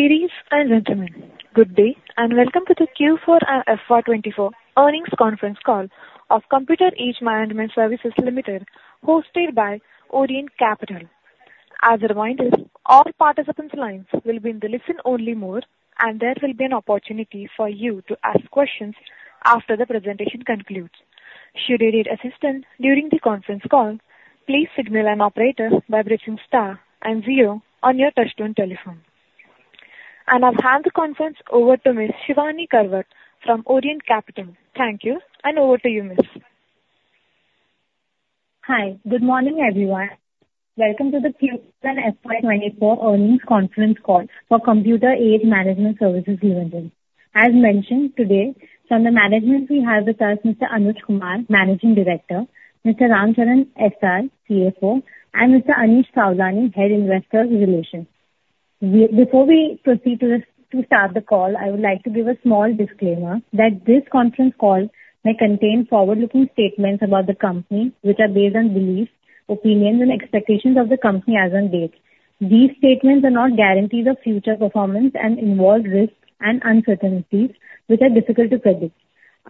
Ladies and gentlemen, good day, and welcome to the Q4 and FY 2024 earnings conference call of Computer Age Management Services Limited, hosted by Orient Capital. As a reminder, all participants' lines will be in the listen-only mode, and there will be an opportunity for you to ask questions after the presentation concludes. Should you need assistance during the conference call, please signal an operator by pressing star and zero on your touchtone telephone. And I'll hand the conference over to Ms. Shivani Karwat from Orient Capital. Thank you, and over to you, miss. Hi. Good morning, everyone. Welcome to the Q4 FY24 earnings conference call for Computer Age Management Services Limited. As mentioned today, from the management, we have with us Mr. Anuj Kumar, Managing Director; Mr. Ramcharan SR, CFO; and Mr. Anish Sawlani, Head Investor Relations. Before we proceed to this, to start the call, I would like to give a small disclaimer that this conference call may contain forward-looking statements about the company, which are based on beliefs, opinions, and expectations of the company as on date. These statements are not guarantees of future performance and involve risks and uncertainties, which are difficult to predict.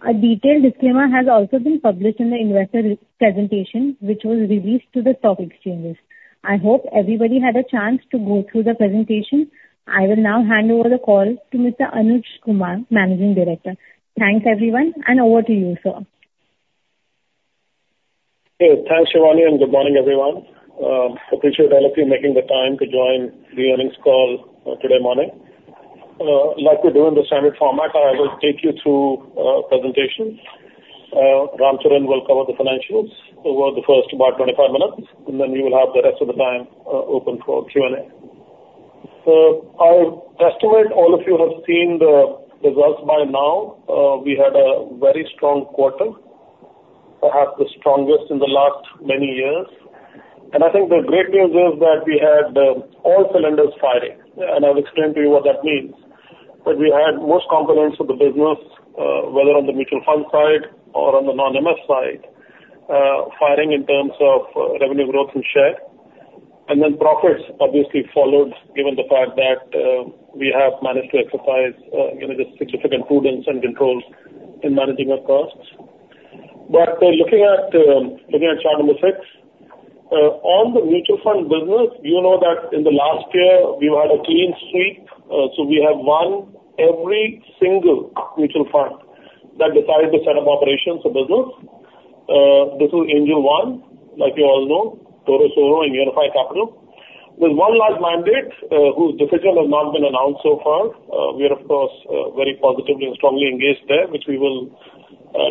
A detailed disclaimer has also been published in the investor relations presentation, which was released to the stock exchanges. I hope everybody had a chance to go through the presentation. I will now hand over the call to Mr. Anuj Kumar, Managing Director Thanks, everyone, and over to you, sir. Hey, thanks, Shivani, and good morning, everyone. Appreciate all of you making the time to join the earnings call today morning. Like we do in the standard format, I will take you through presentations. Ramcharan will cover the financials over the first about 25 minutes, and then we will have the rest of the time open for Q&A. So I estimate all of you have seen the results by now. We had a very strong quarter, perhaps the strongest in the last many years. And I think the great news is that we had all cylinders firing, and I'll explain to you what that means. But we had most components of the business, whether on the mutual fund side or on the non-MF side, firing in terms of revenue growth and share. Profits obviously followed, given the fact that, we have managed to exercise, you know, the significant prudence and controls in managing our costs. Looking at chart number 6, on the mutual fund business, you know that in the last year we've had a clean sweep. We have won every single mutual fund that decided to set up operations or business. This is Angel One, like you all know, Torus Oro and Unifi Capital. With one large mandate, whose decision has not been announced so far, we are, of course, very positively and strongly engaged there, which we will,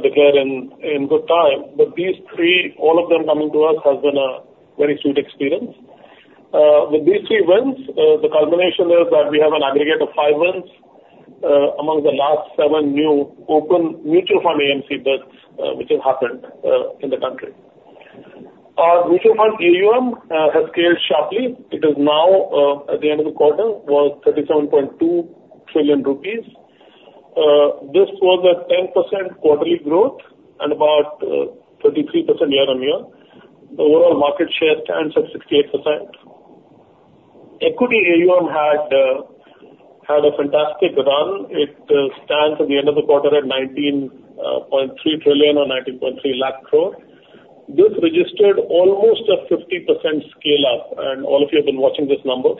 declare in good time. These three, all of them coming to us, has been a very sweet experience. With these three wins, the culmination is that we have an aggregate of five wins among the last seven new open mutual fund AMC bids which have happened in the country. Our mutual fund AUM has scaled sharply. It is now, at the end of the quarter, 37.2 trillion rupees. This was a 10% quarterly growth and about 33% year-on-year. The overall market share stands at 68%. Equity AUM had a fantastic run. It stands at the end of the quarter at 19.3 trillion or 19.3 lakh crore. This registered almost a 50% scale-up, and all of you have been watching this number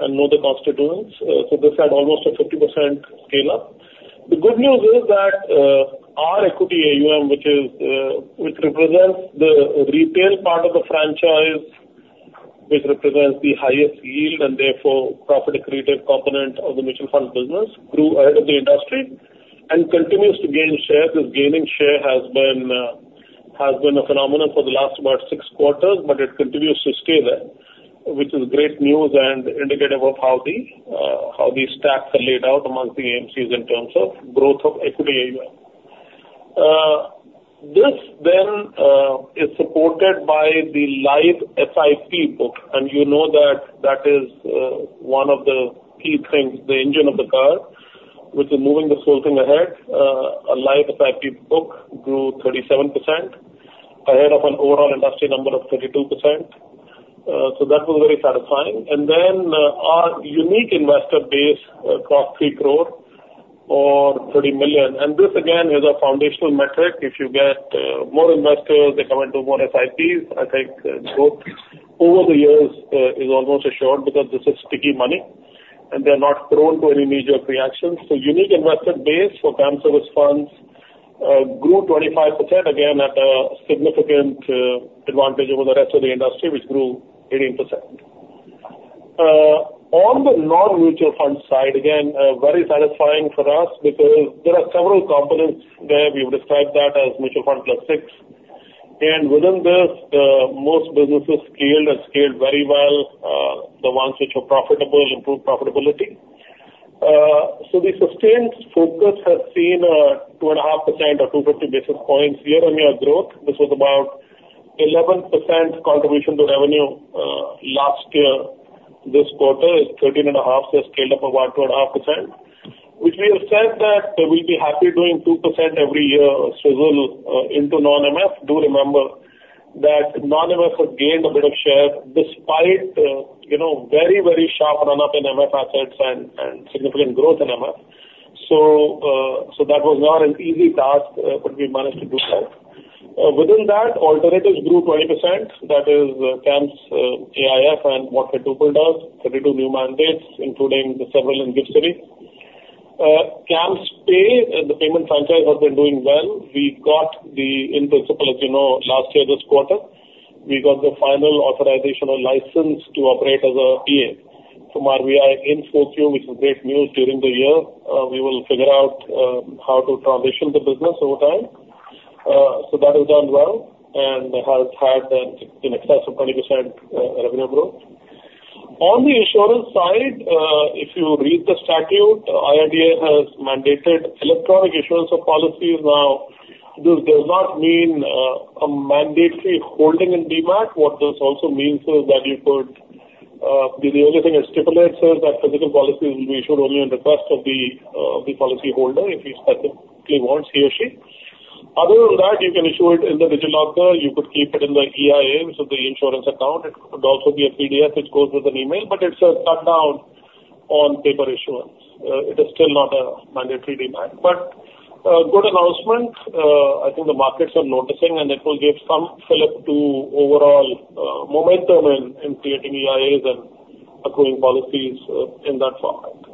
and know the constituents. So this had almost a 50% scale up. The good news is that, our equity AUM, which is, which represents the retail part of the franchise, which represents the highest yield and therefore profit accretive component of the mutual fund business, grew ahead of the industry and continues to gain share. This gaining share has been a phenomenon for the last about 6 quarters, but it continues to stay there, which is great news and indicative of how the stacks are laid out amongst the AMCs in terms of growth of equity AUM. This then, is supported by the live SIP book, and you know that that is, one of the key things, the engine of the car, which is moving this whole thing ahead. A live SIP book grew 37%, ahead of an overall industry number of 32%. So that was very satisfying. Then, our unique investor base crossed 3 crore or 30 million, and this again is a foundational metric. If you get more investors, they come into more SIPs. I think growth over the years is almost assured because this is sticky money, and they're not prone to any knee-jerk reactions. So unique investor base for CAMS serviced funds grew 25%, again, at a significant advantage over the rest of the industry, which grew 18%. On the non-mutual fund side, again, very satisfying for us because there are several components where we would describe that as Mutual Fund Plus six, and within this, most businesses scaled and scaled very well. The ones which were profitable improved profitability. So the sustained focus has seen 2.5% or 250 basis points year-on-year growth. This was about 11% contribution to revenue last year. This quarter is 13.5, so a scale-up of about 2.5%, which we have said that we'll be happy doing 2% every year sizzle into non-MF. Do remember that non-MF has gained a bit of share despite, you know, very, very sharp run up in MF assets and significant growth in MF. So that was not an easy task, but we managed to do that. Within that, alternatives grew 20%. That is, CAMS AIF, and what Fintuple does, 32 new mandates, including several in GIFT City. CAMSPay, the payment franchise has been doing well. We got the in principle, as you know, last year. This quarter, we got the final authorization or license to operate as a PA from RBI in Q4, which is great news during the year. We will figure out how to transition the business over time. So that has done well and has had in excess of 20% revenue growth. On the insurance side, if you read the statute, IRDAI has mandated electronic issuance of policies. Now, this does not mean a mandatory holding in EIA. What this also means is that you could, the only thing it stipulates is that physical policies will be issued only on request of the policyholder, if he specifically wants, he or she. Other than that, you can issue it in the digital locker. You could keep it in the EIA, which is the insurance account. It could also be a PDF, which goes with an email, but it's a cut down on paper issuance. It is still not a mandatory demand, but good announcement. I think the markets are noticing, and it will give some fillip to overall momentum in creating EIAs and accruing policies in that format.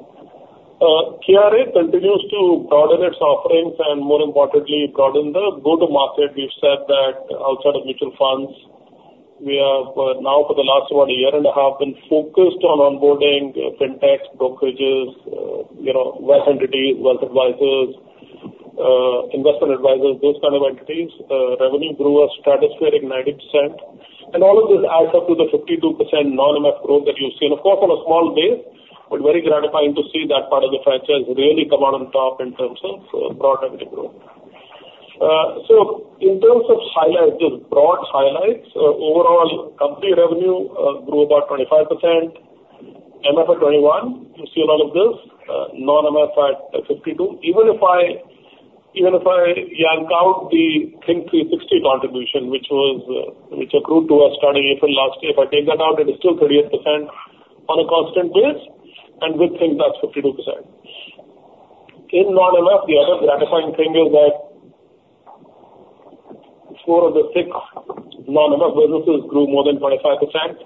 KRA continues to broaden its offerings and more importantly, broaden the go-to-market. We've said that outside of mutual funds, we have now for the last about a year and a half, been focused on onboarding fintech, brokerages, you know, wealth entities, wealth advisors, investment advisors, those kind of entities. Revenue grew a stratospheric 90%, and all of this adds up to the 52% non-MF growth that you've seen. Of course, on a small base, but very gratifying to see that part of the franchise really come out on top in terms of broad revenue growth. So in terms of highlights, just broad highlights, overall company revenue grew about 25%. MF at 21%. You've seen all of this, non-MF at 52%. Even if I yank out the Think360 contribution, which accrued to us starting April last year, if I take that out, it is still 38% on a constant basis, and with Think, that's 52%. In non-MF, the other gratifying thing is that four of the six non-MF businesses grew more than 25%.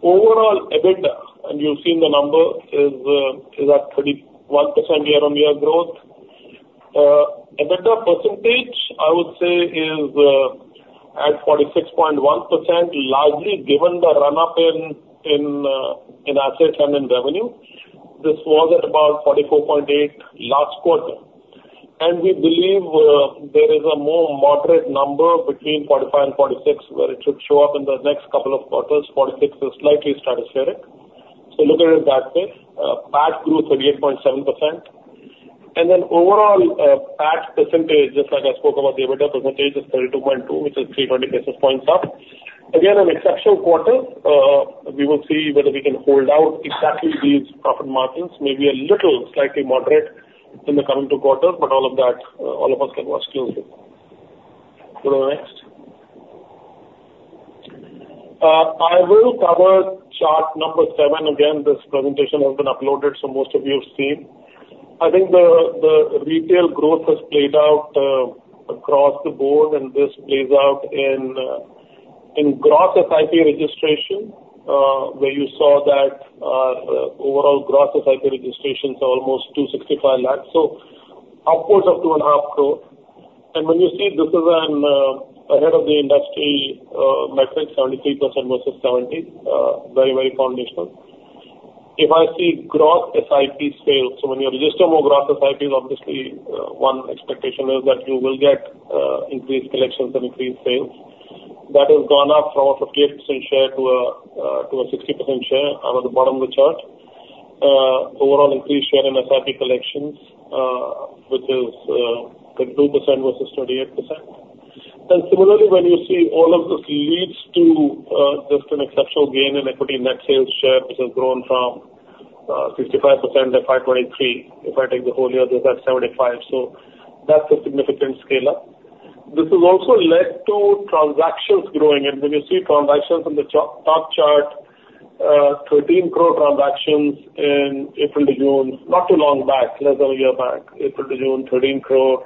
Overall, EBITDA, and you've seen the number, is at 31% year-on-year growth. EBITDA percentage, I would say, is at 46.1%, largely given the run up in assets and in revenue. This was at about 44.8 last quarter, and we believe there is a more moderate number between 45 and 46, where it should show up in the next couple of quarters. Forty-six is slightly stratospheric. So look at it that way. PAT grew 38.7%. And then overall, PAT percentage, just like I spoke about the EBITDA percentage, is 32.2, which is 300 basis points up. Again, an exceptional quarter. We will see whether we can hold out exactly these profit margins, maybe a little slightly moderate in the coming two quarters, but all of that, all of us can watch closely. Go to the next. I will cover chart number seven. Again, this presentation has been uploaded, so most of you have seen. I think the retail growth has played out across the board, and this plays out in gross SIP registration, where you saw that overall gross SIP registrations are almost 265 lakhs, so upwards of 2.5 crore. And when you see this is an ahead of the industry metric, 73% versus 70%, very, very foundational. If I see gross SIP sales, so when you register more gross SIPs, obviously one expectation is that you will get increased collections and increased sales. That has gone up from a 58% share to a 60% share at the bottom of the chart. Overall increased share in SIP collections, which is 32% versus 28%. Similarly, when you see all of this leads to just an exceptional gain in equity net sales share, which has grown from 65% to 5.3. If I take the whole year, this at 75, so that's a significant scale up. This has also led to transactions growing, and when you see transactions on the top chart, 13 crore transactions in April to June, not too long back, less than a year back, April to June, 13 crore,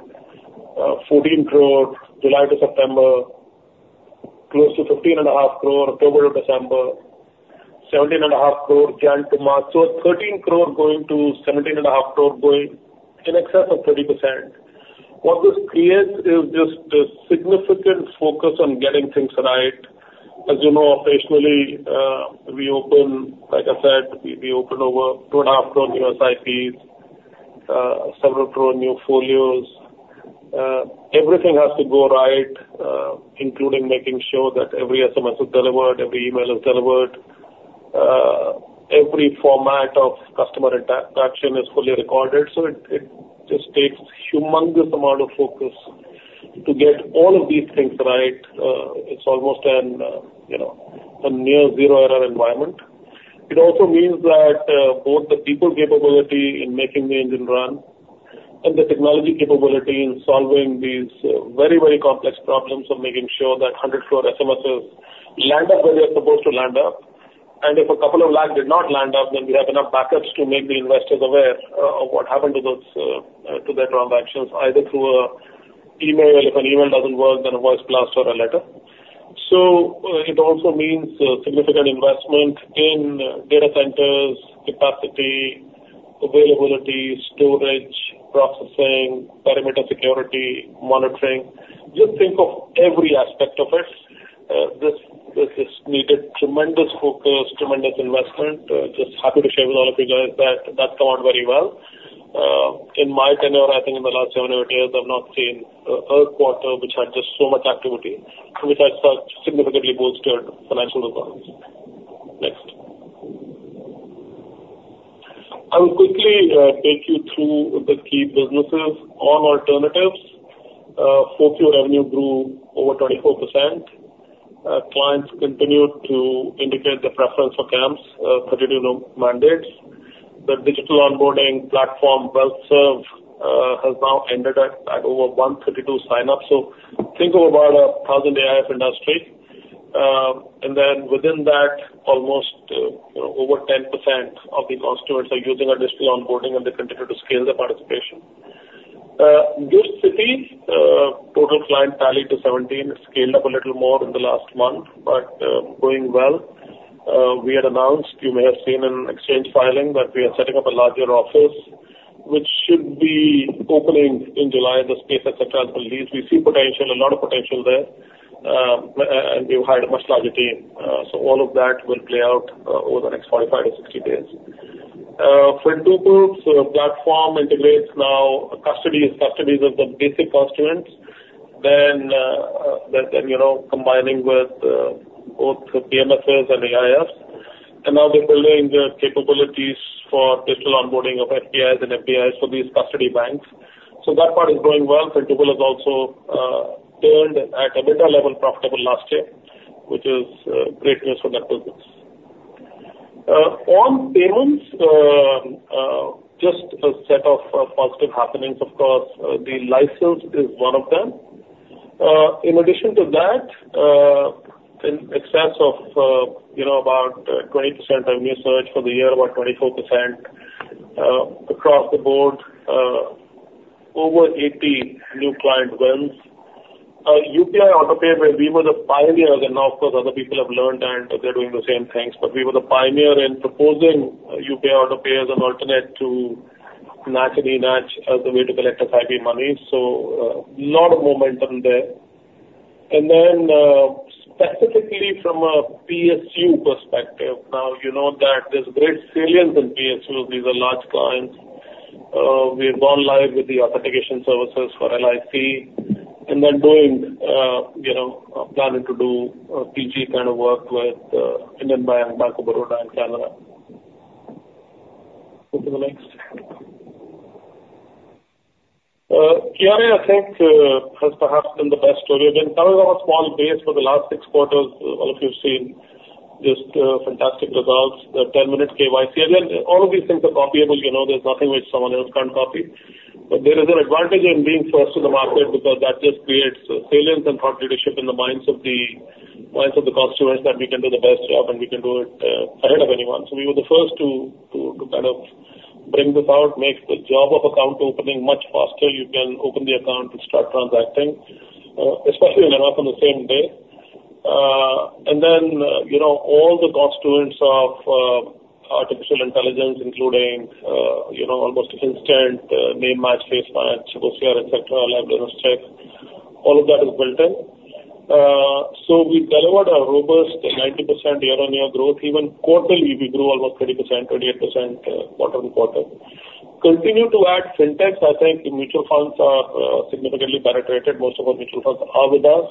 14 crore, July to September, close to 15.5 crore, October to December, 17.5 crore, January to March. So 13 crore growing to 17.5 crore, growing in excess of 30%. What this creates is just a significant focus on getting things right. As you know, operationally, we open, like I said, we open over 2.5 crore new SIPs, several crore new folios. Everything has to go right, including making sure that every SMS is delivered, every email is delivered, every format of customer interaction is fully recorded, so it just takes humongous amount of focus to get all of these things right. It's almost an, you know, a near zero error environment. It also means that both the people capability in making the engine run and the technology capability in solving these very, very complex problems of making sure that 100 crore SMSs land up where they are supposed to land up. If a couple of lags did not land up, then we have enough backups to make the investors aware of what happened to those to their transactions, either through an email. If an email doesn't work, then a voice blast or a letter. It also means a significant investment in data centers, capacity, availability, storage, processing, perimeter security, monitoring. Just think of every aspect of it. This has needed tremendous focus, tremendous investment. Just happy to share with all of you guys that that's come out very well. In my tenure, I think in the last seven or eight years, I've not seen a quarter which had just so much activity, which has significantly bolstered financial results. Next. I will quickly take you through the key businesses. On alternatives, 4Q revenue grew over 24%. Clients continued to indicate their preference for CAMS, 32 mandates. The digital onboarding platform, WealthServ, has now ended at over 132 signups. So think of about 1,000 AIF industry. And then within that, almost, you know, over 10% of the constituents are using our digital onboarding, and they continue to scale their participation. GIFT City total client tally to 17 has scaled up a little more in the last month, but going well. We had announced, you may have seen in exchange filing, that we are setting up a larger office, which should be opening in July. The space, et cetera, is the least. We see potential, a lot of potential there, and we've hired a much larger team. So all of that will play out over the next 45-60 days. Fintuple, so the platform integrates now custody. Custody is of the basic constituents. Then, you know, combining with both PMS and AIFs, and now they're building the capabilities for digital onboarding of FPIs and NRIs for these custody banks. So that part is going well. Fintuple has also turned at a better level, profitable last year, which is great news for that business. On payments, just a set of positive happenings. Of course, the license is one of them. In addition to that, in excess of, you know, about 20% revenue growth for the year, about 24%, across the board, over 80 new client wins. UPI AutoPay, where we were the pioneers, and now, of course, other people have learned, and they're doing the same things. We were the pioneer in proposing UPI AutoPay as an alternate to NACH, NEFT as the way to collect SIP money. A lot of momentum there. Specifically from a PSU perspective, now you know that there's great salience in PSU. These are large clients. We have gone live with the authentication services for LIC, and then doing, you know, planning to do PG kind of work with Indian Bank, Bank of Baroda, and Canara Bank. Go to the next. KRA, I think, has perhaps been the best story. I mean, coming from a small base for the last 6 quarters, all of you have seen just fantastic results. The 10-minute KYC, and then all of these things are copyable. You know, there's nothing which someone else can't copy. But there is an advantage in being first in the market, because that just creates salience and thought leadership in the minds of the constituents, that we can do the best job, and we can do it ahead of anyone. So we were the first to kind of bring this out, make the job of account opening much faster. You can open the account and start transacting, especially when they're not on the same day. And then, you know, all the constituents of artificial intelligence, including, you know, almost instant name match, face match, OCR, et cetera, live address check, all of that is built in. So we delivered a robust 90% year-over-year growth. Even quarterly, we grew almost 30%, 28% quarter-over-quarter. Continue to add fintechs. I think the mutual funds are significantly penetrated. Most of our mutual funds are with us.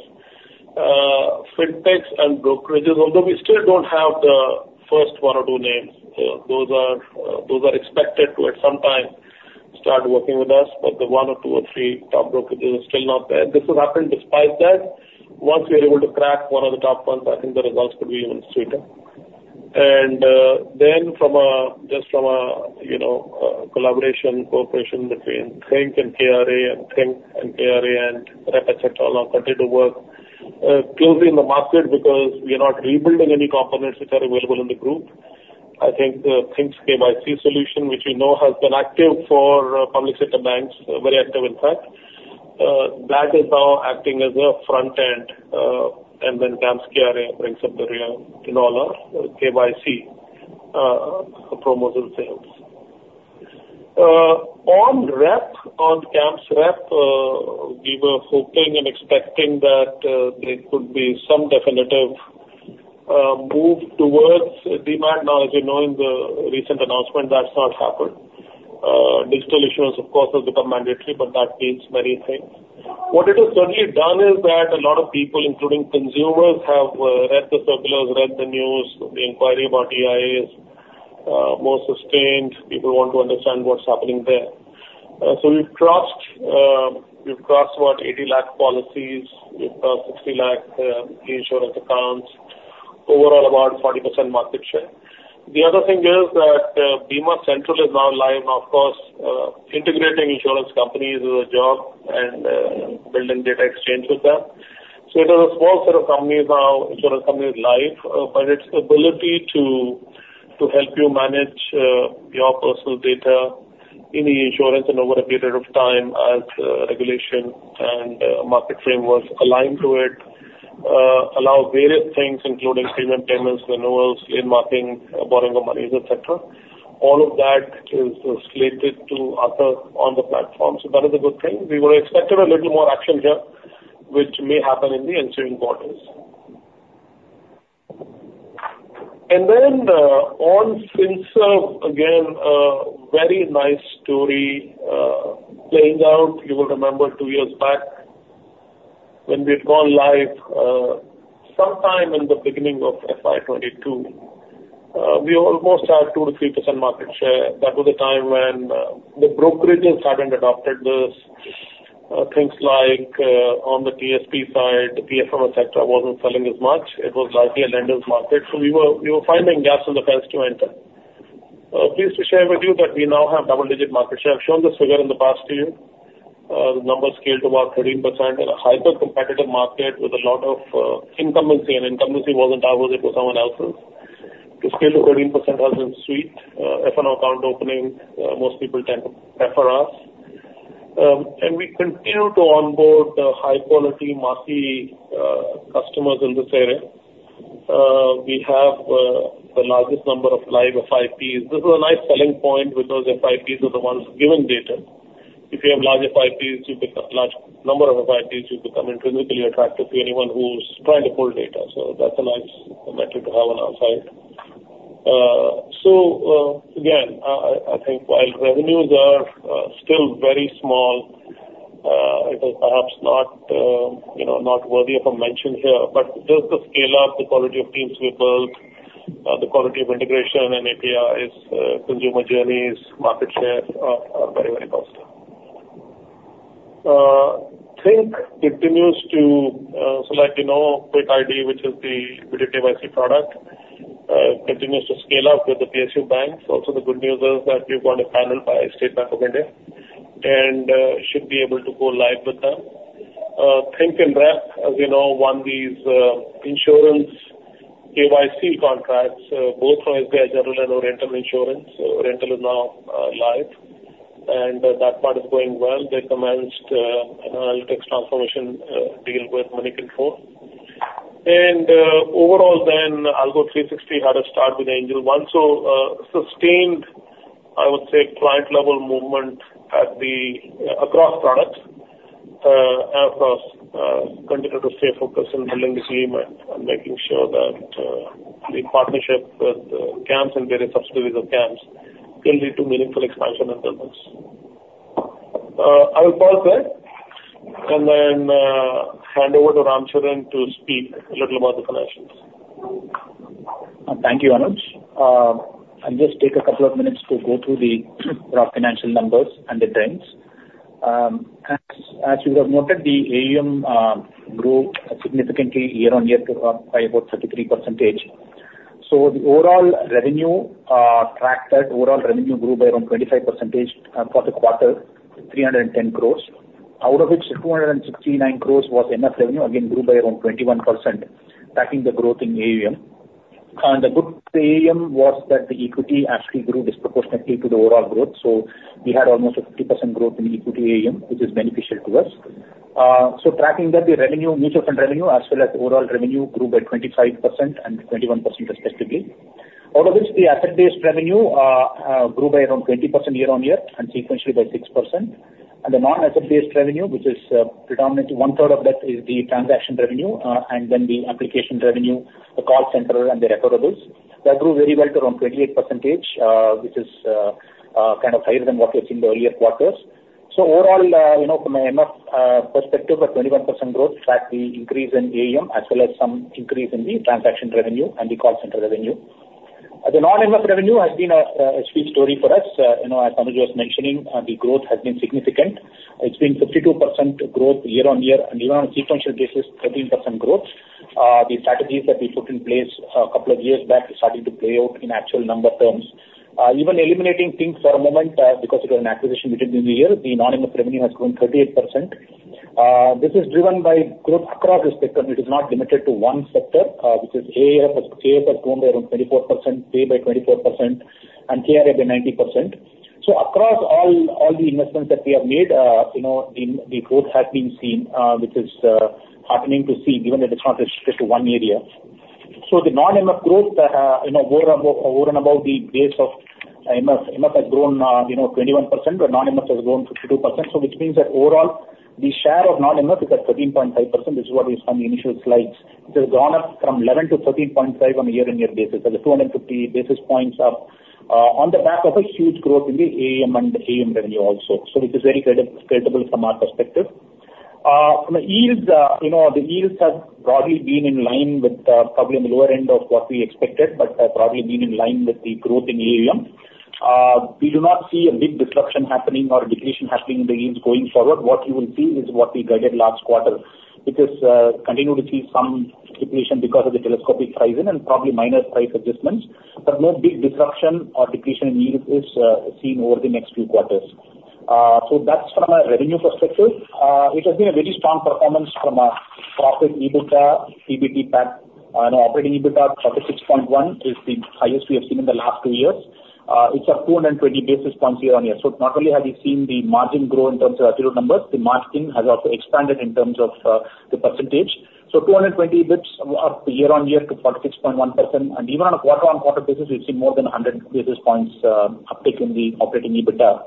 Fintechs and brokerages, although we still don't have the first one or two names, those are expected to, at some time, start working with us, but the one or two or three top brokerages are still not there. This has happened despite that. Once we are able to crack one of the top ones, I think the results could be even sweeter. And then from a, just from a, you know, a collaboration, cooperation between Think and CAMS, and Think and CAMS, and Rep, et cetera, all continue to work closely in the market because we are not rebuilding any components which are available in the group. I think, Think360's KYC solution, which you know has been active for public sector banks, very active, in fact, that is now acting as a front-end, and then CAMS KRA brings up the rear in all our KYC, promotional sales. On CAMSRep, we were hoping and expecting that, there could be some definitive, move towards demand. Now, as you know, in the recent announcement, that's not happened. Digital issuance, of course, has become mandatory, but that takes many things. What it has certainly done is that a lot of people, including consumers, have, read the circulars, read the news, the inquiry about EIAs... more sustained. People want to understand what's happening there. So we've crossed, we've crossed about 80 lakh policies. We've crossed 60 lakh, insurance accounts, overall, about 40% market share. The other thing is that, Bima Central is now live. Of course, integrating insurance companies is a job and, building data exchange with them. So it is a small set of companies now, insurance companies live, but its ability to help you manage your personal data in insurance and over a period of time as regulation and market frameworks align to it, allow various things, including premium payments, renewals, lien mapping, borrowing of monies, et cetera. All of that is slated to occur on the platform, so that is a good thing. We were expecting a little more action here, which may happen in the ensuing quarters. And then, on Finserv, again, a very nice story, playing out. You will remember two years back when we had gone live, sometime in the beginning of FY 2022, we almost had 2%-3% market share. That was a time when the brokerages hadn't adopted this. Things like on the TSP side, the PF et cetera, wasn't selling as much. It was largely a lender's market, so we were finding gaps in the fence to enter. Pleased to share with you that we now have double-digit market share. I've shown this figure in the past to you. The numbers scaled to about 13% in a hyper-competitive market with a lot of incumbency, and incumbency wasn't ours, it was someone else's. To scale to 13% was sweet. F&O account opening, most people tend to prefer us. We continue to onboard high-quality, many, customers in this area. We have the largest number of live SIPs. This is a nice selling point because SIPs are the ones giving data. If you have large SIPs, you become large number of SIPs, you become intrinsically attractive to anyone who's trying to pull data, so that's a nice metric to have on our side. So, again, I think while revenues are still very small, it is perhaps not, you know, not worthy of a mention here, but just the scale up, the quality of teams we've built, the quality of integration and APIs, consumer journeys, market share are very, very positive. Think continues to, so, like, you know, Kwik.ID, which is the video KYC product, continues to scale up with the PSU banks. Also, the good news is that we've won a panel by State Bank of India and should be able to go live with them. Think and Rep, as you know, won these insurance KYC contracts both from SBI General and Oriental Insurance. Oriental is now live, and that part is going well. They commenced an analytics transformation deal with Moneycontrol. And overall then, Algo360 had a start with Angel One. So sustained, I would say, client-level movement at the across products. Of course, continue to stay focused on building the team and making sure that the partnership with CAMS and various subsidiaries of CAMS will lead to meaningful expansion and purpose. I will pause there and then hand over to Ramcharan to speak a little about the financials. Thank you, Anuj. I'll just take a couple of minutes to go through the rough financial numbers and the trends. As you would have noted, the AUM grew significantly year-on-year by about 33%. So the overall revenue tracked that. Overall revenue grew by around 25% for the quarter, 310 crore, out of which 269 crore was MF revenue, again, grew by around 21%, tracking the growth in AUM. And the good AUM was that the equity actually grew disproportionately to the overall growth. So we had almost a 50% growth in equity AUM, which is beneficial to us. So tracking that, the revenue, mutual fund revenue, as well as overall revenue, grew by 25% and 21% respectively. Out of this, the asset-based revenue grew by around 20% year-over-year, and sequentially by 6%. The non-asset-based revenue, which is predominantly one third of that, is the transaction revenue, and then the application revenue, the call center and the receivables. That grew very well to around 28%, which is kind of higher than what we've seen in the earlier quarters. So overall, you know, from an MF perspective, a 21% growth track the increase in AUM, as well as some increase in the transaction revenue and the call center revenue. The non-MF revenue has been a sweet story for us. You know, as Anuj was mentioning, the growth has been significant. It's been 52% growth year-over-year and even on a sequential basis, 13% growth. The strategies that we put in place a couple of years back are starting to play out in actual number terms. Even eliminating things for a moment, because it was an acquisition between the years, the non-MF revenue has grown 38%. This is driven by growth across the spectrum. It is not limited to one sector, which is AIFs. AIFs has grown by around 24%, Pay by 24%, and KRA by 90%. So across all, the investments that we have made, you know, the growth has been seen, which is heartening to see, given that it's not restricted to one area. So the non-MF growth, you know, over and above the base of MF. MF has grown, you know, 21%, but non-MF has grown 52%. So which means that overall, the share of non-MF is at 13.5%. This is what is on the initial slides. It has gone up from 11 to 13.5 on a year-on-year basis, so that's 250 basis points up, on the back of a huge growth in the AUM and AUM revenue also. So it is very credible from our perspective. From the yields, you know, the yields have broadly been in line with, probably on the lower end of what we expected, but have probably been in line with the growth in AUM. We do not see a big disruption happening or depletion happening in the yields going forward. What you will see is what we guided last quarter, because continue to see some depletion because of the telescopic pricing and probably minor price adjustments. But no big disruption or depletion in yield is seen over the next few quarters. So that's from a revenue perspective. It has been a very strong performance from a profit, EBITDA, PBT, PAT, and operating EBITDA. 46.1 is the highest we have seen in the last 2 years. It's up 220 basis points year-on-year. So not only have you seen the margin grow in terms of absolute numbers, the margin has also expanded in terms of the percentage. So 220 basis points up year-on-year to 46.1%. And even on a quarter-on-quarter basis, we've seen more than 100 basis points uptick in the operating EBITDA.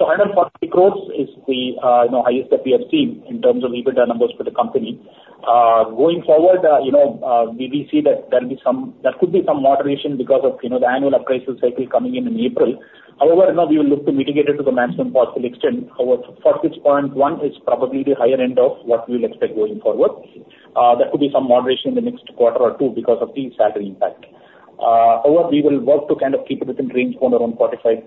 So 140 crore is the you know highest that we have seen in terms of EBITDA numbers for the company. Going forward, you know, we see that there'll be some, there could be some moderation because of, you know, the annual appraisal cycle coming in in April. However, you know, we will look to mitigate it to the maximum possible extent. However, 46.1 is probably the higher end of what we will expect going forward. There could be some moderation in the next quarter or two because of the salary impact. However, we will work to kind of keep it within range around 45-46%.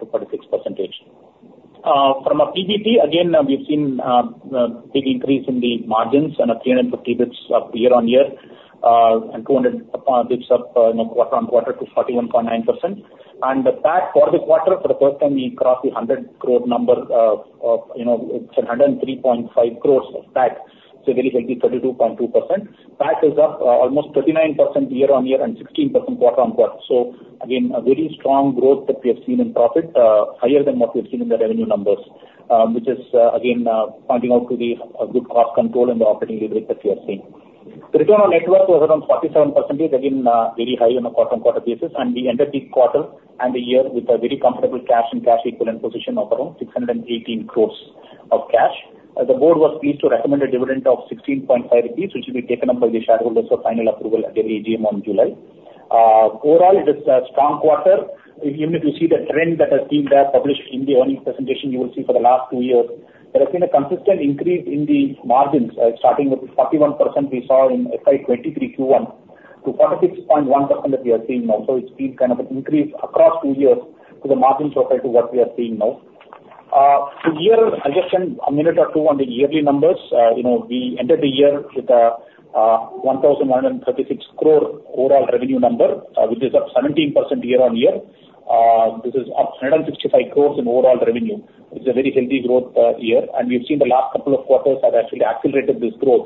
From a PBT, again, we've seen a big increase in the margins and a 350 basis points up year-on-year, and 200 basis points up, you know, quarter-on-quarter to 41.9%. The PAT for the quarter, for the first time, we crossed the 100 crore number, of, you know, it's 103.5 crores of PAT, so very healthy, 32.2%. PAT is up almost 39% year-on-year and 16% quarter-on-quarter. So again, a very strong growth that we have seen in profit, higher than what we've seen in the revenue numbers, which is again pointing out to a good cost control and the operating leverage that we are seeing. The return on net worth was around 47%, again very high on a quarter-on-quarter basis, and we ended the quarter and the year with a very comfortable cash and cash equivalent position of around 618 crores of cash. The board was pleased to recommend a dividend of 16.5 rupees, which will be taken up by the shareholders for final approval at the AGM in July. Overall, it is a strong quarter. Even if you see the trend that has been there, published in the earnings presentation, you will see for the last two years, there has been a consistent increase in the margins, starting with the 41% we saw in FY 2023 Q1, to 46.1% that we are seeing now. So it's been kind of an increase across two years to the margin profile to what we are seeing now. So here, I just spend a minute or two on the yearly numbers. You know, we ended the year with 1,136 crore overall revenue number, which is up 17% year-on-year. This is up 165 crore in overall revenue, which is a very healthy growth year. And we've seen the last couple of quarters have actually accelerated this growth,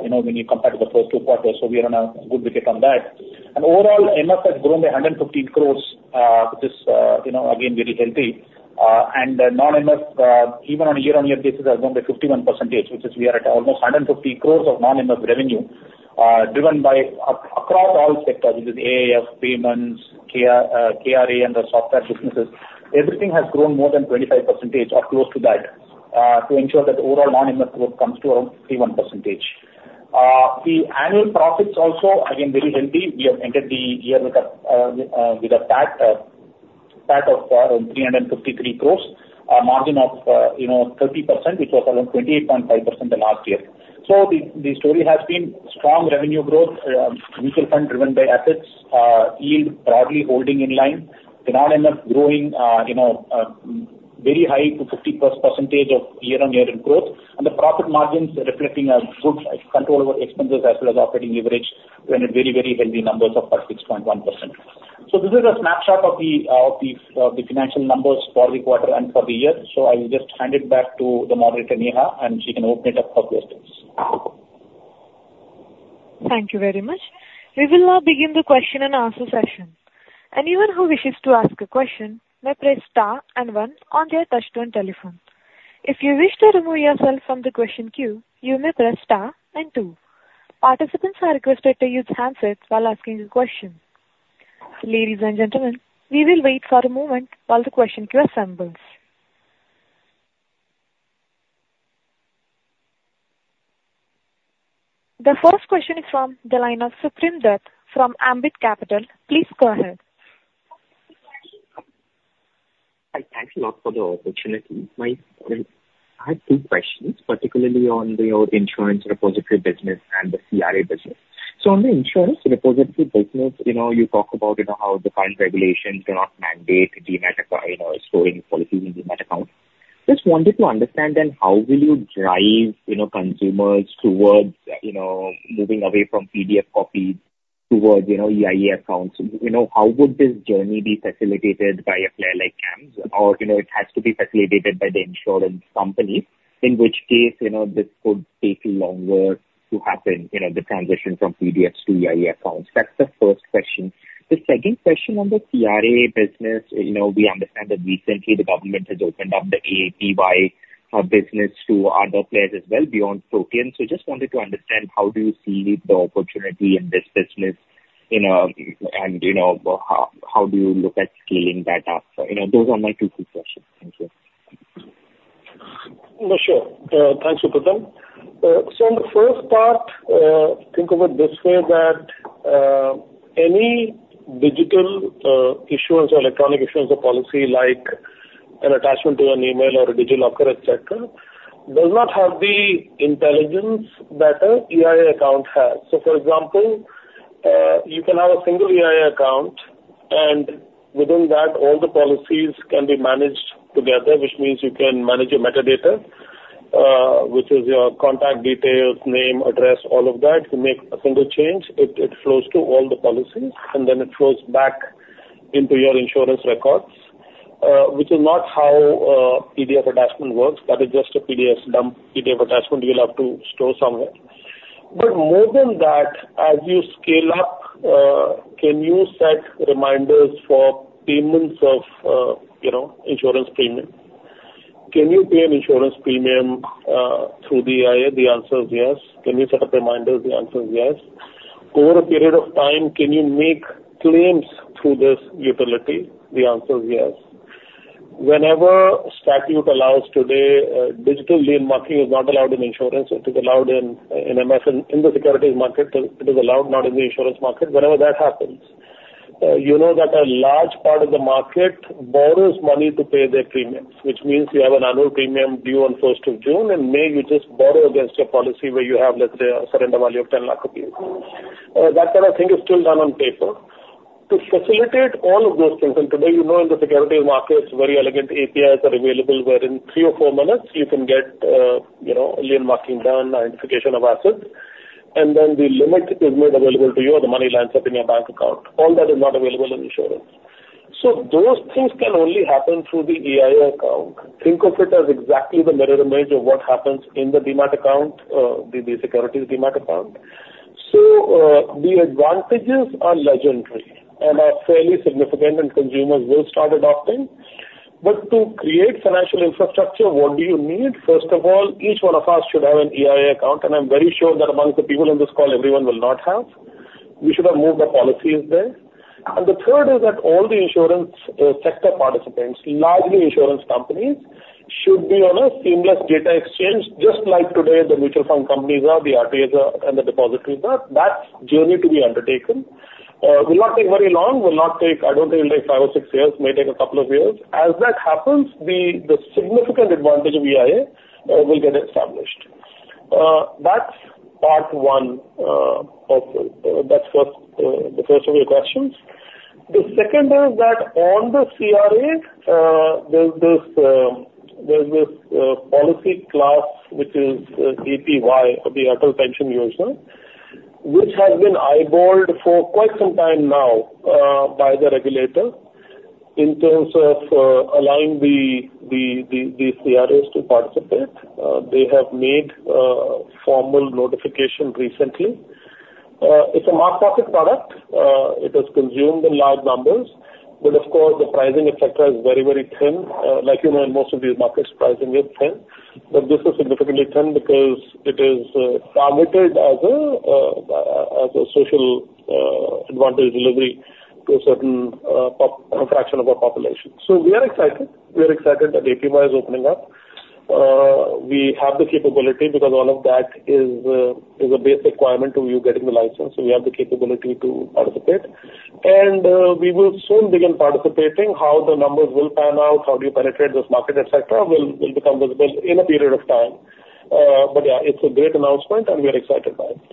you know, when you compare to the first two quarters. So we are on a good wicket on that. And overall, MF has grown by 115 crore, which is, you know, again, very healthy. And non-MF, even on a year-on-year basis, has grown by 51%, which is we are at almost 150 crore of non-MF revenue, driven by across all sectors, which is AIF, payments, KRA and the software businesses. Everything has grown more than 25% or close to that, to ensure that overall non-MF growth comes to around 51%. The annual profits also, again, very healthy. We have entered the year with a, with a PAT, PAT of around 353 crore, a margin of, you know, 30%, which was around 28.5% the last year. So the story has been strong revenue growth, mutual fund driven by assets, yield broadly holding in line. Non-MF growing, you know, very high to 50+% year-on-year in growth, and the profit margins reflecting a good control over expenses as well as operating leverage, bringing very, very healthy numbers of 46.1%. This is a snapshot of the financial numbers for the quarter and for the year. I will just hand it back to the moderator, Neha, and she can open it up for questions. Thank you very much. We will now begin the question-and-answer session. Anyone who wishes to ask a question may press star and one on their touchtone telephone. If you wish to remove yourself from the question queue, you may press star and two. Participants are requested to use handsets while asking the question. Ladies and gentlemen, we will wait for a moment while the question queue assembles. The first question is from the line of Supratim Datta from Ambit Capital. Please go ahead. Hi, thank you all for the opportunity. I have two questions, particularly on your Insurance Repository business and the KRA business. So on the Insurance Repository business, you know, you talk about, you know, how the current regulations do not mandate Demat, you know, storing policies in Demat account. Just wanted to understand then, how will you drive, you know, consumers towards, you know, moving away from PDF copies towards, you know, EIA accounts? You know, how would this journey be facilitated by a player like CAMS? Or, you know, it has to be facilitated by the insurance companies, in which case, you know, this could take longer to happen, you know, the transition from PDFs to EIA accounts. That's the first question. The second question on the KRA business, you know, we understand that recently the government has opened up the APY business to other players as well beyond Protean. So just wanted to understand, how do you see the opportunity in this business, you know, and you know, how do you look at scaling that up? You know, those are my two quick questions. Thank you. Sure. Thanks, Supratim. So on the first part-... Think of it this way, that any digital issuance or electronic issuance of policy, like an attachment to an email or a digital locker, et cetera, does not have the intelligence that a EIA account has. So, for example, you can have a single EIA account, and within that, all the policies can be managed together, which means you can manage your metadata, which is your contact details, name, address, all of that. You make a single change, it flows to all the policies, and then it flows back into your insurance records, which is not how a PDF attachment works. That is just a PDF dump, PDF attachment you'll have to store somewhere. But more than that, as you scale up, can you set reminders for payments of, you know, insurance premium? Can you pay an insurance premium through the EIA? The answer is yes. Can you set up reminders? The answer is yes. Over a period of time, can you make claims through this utility? The answer is yes. Whenever statute allows today, digital lien marking is not allowed in insurance. It is allowed in, in MF and in the securities market, it is allowed, not in the insurance market. Whenever that happens, you know that a large part of the market borrows money to pay their premiums, which means you have an annual premium due on first of June and May, you just borrow against your policy, where you have, let's say, a surrender value of 10 lakh rupees. That kind of thing is still done on paper. To facilitate all of those things, and today, you know, in the securities markets, very elegant APIs are available, where in 3 or 4 minutes you can get, you know, lien marking done, identification of assets, and then the limit is made available to you or the money lands up in your bank account. All that is not available in insurance. So those things can only happen through the EIA account. Think of it as exactly the mirror image of what happens in the demat account, the securities demat account. So, the advantages are legendary and are fairly significant, and consumers will start adopting. But to create financial infrastructure, what do you need? First of all, each one of us should have an EIA account, and I'm very sure that amongst the people on this call, everyone will not have. We should have moved the policies there. And the third is that all the insurance sector participants, largely insurance companies, should be on a seamless data exchange, just like today the mutual fund companies are, the RTAs are, and the depositories are. That's journey to be undertaken. Will not take very long, will not take, I don't think it'll take five or six years, may take a couple of years. As that happens, the significant advantage of EIA will get established. That's part one of the, that's what the first of your questions. The second is that on the KRA, there's this policy class, which is APY or the Atal Pension Yojana, which has been eyeballed for quite some time now by the regulator, in terms of allowing the CRAs to participate. They have made formal notification recently. It is a mass-market product. It is consumed in large numbers, but of course, the pricing, et cetera, is very, very thin. Like, you know, in most of these markets, pricing is thin, but this is significantly thin because it is permitted as a social advantage delivery to a certain pop fraction of our population. So we are excited. We are excited that APY is opening up. We have the capability because all of that is, is a base requirement to you getting the license, so we have the capability to participate. And, we will soon begin participating. How the numbers will pan out, how do you penetrate this market, et cetera, et cetera, will, will become visible in a period of time. But yeah, it's a great announcement, and we are excited by it.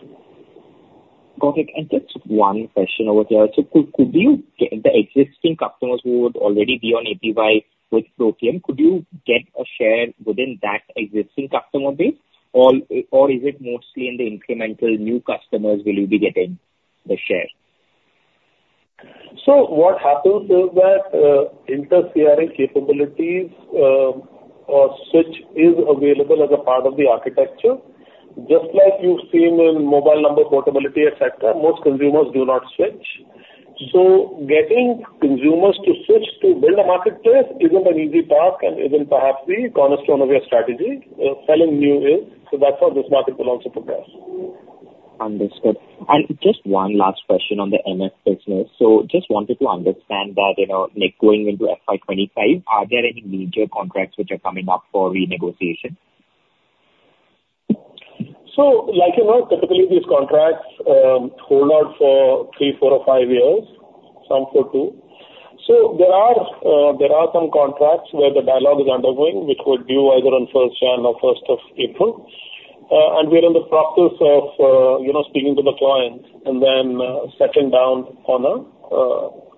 Okay, just one question over here. So could you get the existing customers who would already be on APY with Protean? Could you get a share within that existing customer base? Or is it mostly in the incremental new customers? Will you be getting the share? So what happens is that, inter KRA capabilities, or switch is available as a part of the architecture. Just like you've seen in mobile number portability, et cetera, most consumers do not switch. So getting consumers to switch to build a marketplace isn't an easy task and isn't perhaps the cornerstone of your strategy. Selling new is, so that's how this market will also progress. Understood. And just one last question on the MF business. So just wanted to understand that, you know, like, going into FY 25, are there any major contracts which are coming up for renegotiation? So, like, you know, typically these contracts hold out for three, four or five years, some for two. So there are there are some contracts where the dialogue is undergoing, which were due either on first January or first of April. And we're in the process of, you know, speaking to the clients and then settling down on a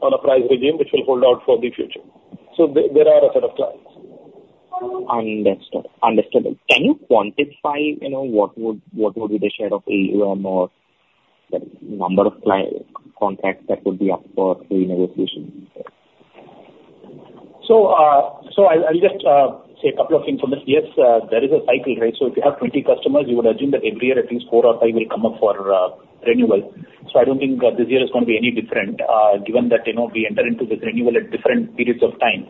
on a price regime which will hold out for the future. So there there are a set of clients. Understood. Understandable. Can you quantify, you know, what would, what would be the share of AUM or the number of client contracts that would be up for renegotiation? So, so I'll, I'll just say a couple of things on this. Yes, there is a cycle, right? So if you have 20 customers, you would assume that every year, at least four or five will come up for renewal. So I don't think this year is going to be any different, given that, you know, we enter into this renewal at different periods of time.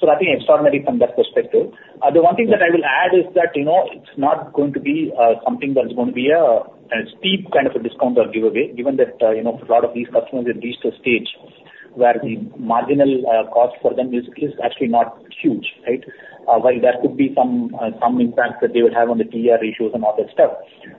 So nothing extraordinary from that perspective. The one thing that I will add is that, you know, it's not going to be something that's going to be a steep kind of a discount or giveaway, given that, you know, a lot of these customers have reached a stage-... where the marginal cost for them is actually not huge, right? While there could be some impact that they would have on the TER ratios and all that stuff.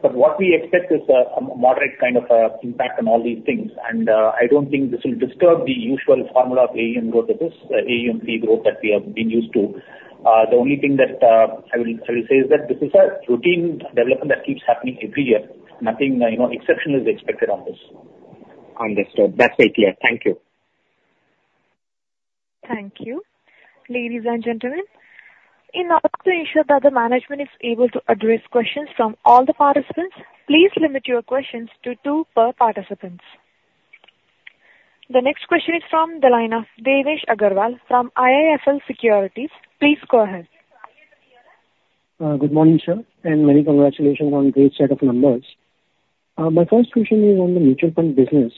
But what we expect is a moderate kind of impact on all these things. And I don't think this will disturb the usual formula of AUM growth, that is, AUM fee growth that we have been used to. The only thing that I will say is that this is a routine development that keeps happening every year. Nothing, you know, exceptional is expected on this. Understood. That's very clear. Thank you. Thank you. Ladies and gentlemen, in order to ensure that the management is able to address questions from all the participants, please limit your questions to two per participant. The next question is from the line of Devesh Agarwal from IIFL Securities. Please go ahead. Good morning, sir, and many congratulations on great set of numbers. My first question is on the mutual fund business.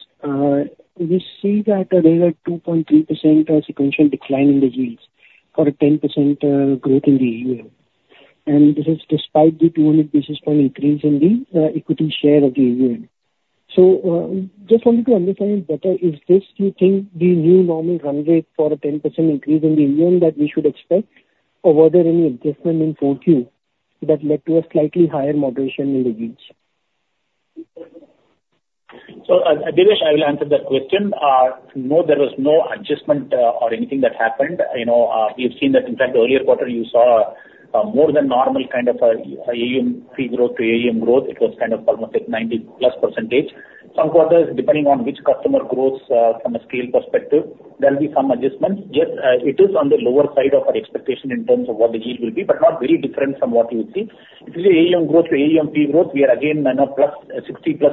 We see that there is a 2.3% sequential decline in the yields for a 10% growth in the AUM. This is despite the 200 basis point increase in the equity share of the AUM. Just wanted to understand better, is this, you think, the new normal run rate for a 10% increase in the AUM that we should expect? Or were there any adjustment in fourth Q that led to a slightly higher moderation in the yields? So, Devesh, I will answer that question. No, there was no adjustment or anything that happened. You know, we've seen that in fact, the earlier quarter you saw more than normal kind of AUM fee growth to AUM growth. It was kind of almost like 90+%. Some quarters, depending on which customer grows from a scale perspective, there will be some adjustments. Just it is on the lower side of our expectation in terms of what the yield will be, but not very different from what you would see. If you see AUM growth to AUM fee growth, we are again minus plus 60+%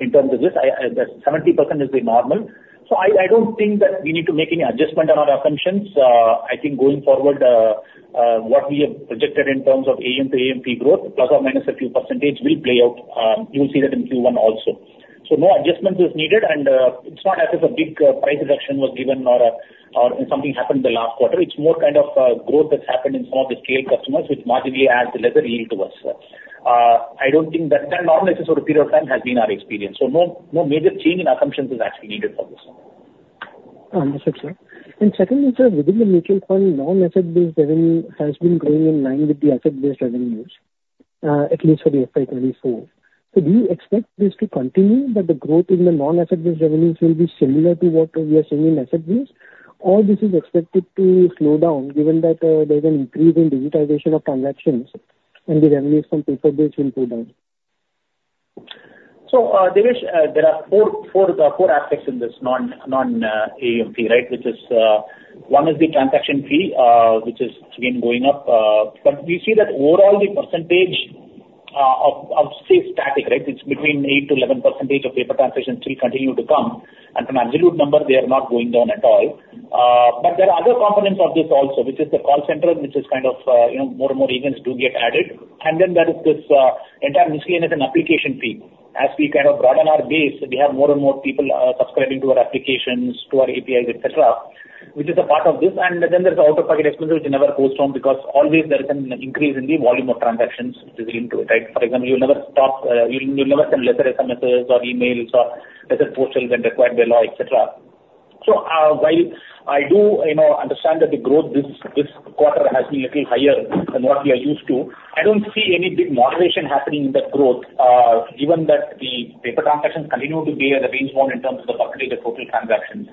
in terms of this. I, the 70% is the normal. So I don't think that we need to make any adjustment on our assumptions. I think going forward, what we have projected in terms of AUM to AMC growth, ± a few percentage, will play out. You'll see that in Q1 also. So no adjustment is needed, and, it's not as if a big, price reduction was given or, or something happened in the last quarter. It's more kind of, growth that's happened in some of the scale customers, which marginally adds a lesser yield to us. I don't think that's an anomaly, so the period of time has been our experience. So no, no major change in assumptions is actually needed for this one. Understood, sir. And second is, within the mutual fund, non-asset-based revenue has been growing in line with the asset-based revenues, at least for the FY 2024. So do you expect this to continue, that the growth in the non-asset-based revenues will be similar to what we are seeing in asset base? Or this is expected to slow down, given that, there's an increase in digitization of transactions and the revenues from paper-based will go down? So, Devesh, there are four aspects in this non-AMC, right? One is the transaction fee, which has been going up. But we see that overall the percentage of it stays static, right? It's between 8%-11% of paper transactions still continue to come, and in absolute numbers, they are not going down at all. But there are other components of this also, which is the call center, which is kind of, you know, more and more agents do get added. And then there is this entire miscellaneous and application fee. As we kind of broaden our base, we have more and more people subscribing to our applications, to our APIs, et cetera, which is a part of this. And then there's the out-of-pocket expenses, which never goes down, because always there is an increase in the volume of transactions which is into it, right? For example, you'll never stop, you'll never send lesser SMSs or emails or lesser portals when required by law, et cetera. So, while I do, you know, understand that the growth this quarter has been a little higher than what we are used to, I don't see any big moderation happening in the growth, given that the paper transactions continue to be at the range 1 in terms of the populated total transactions.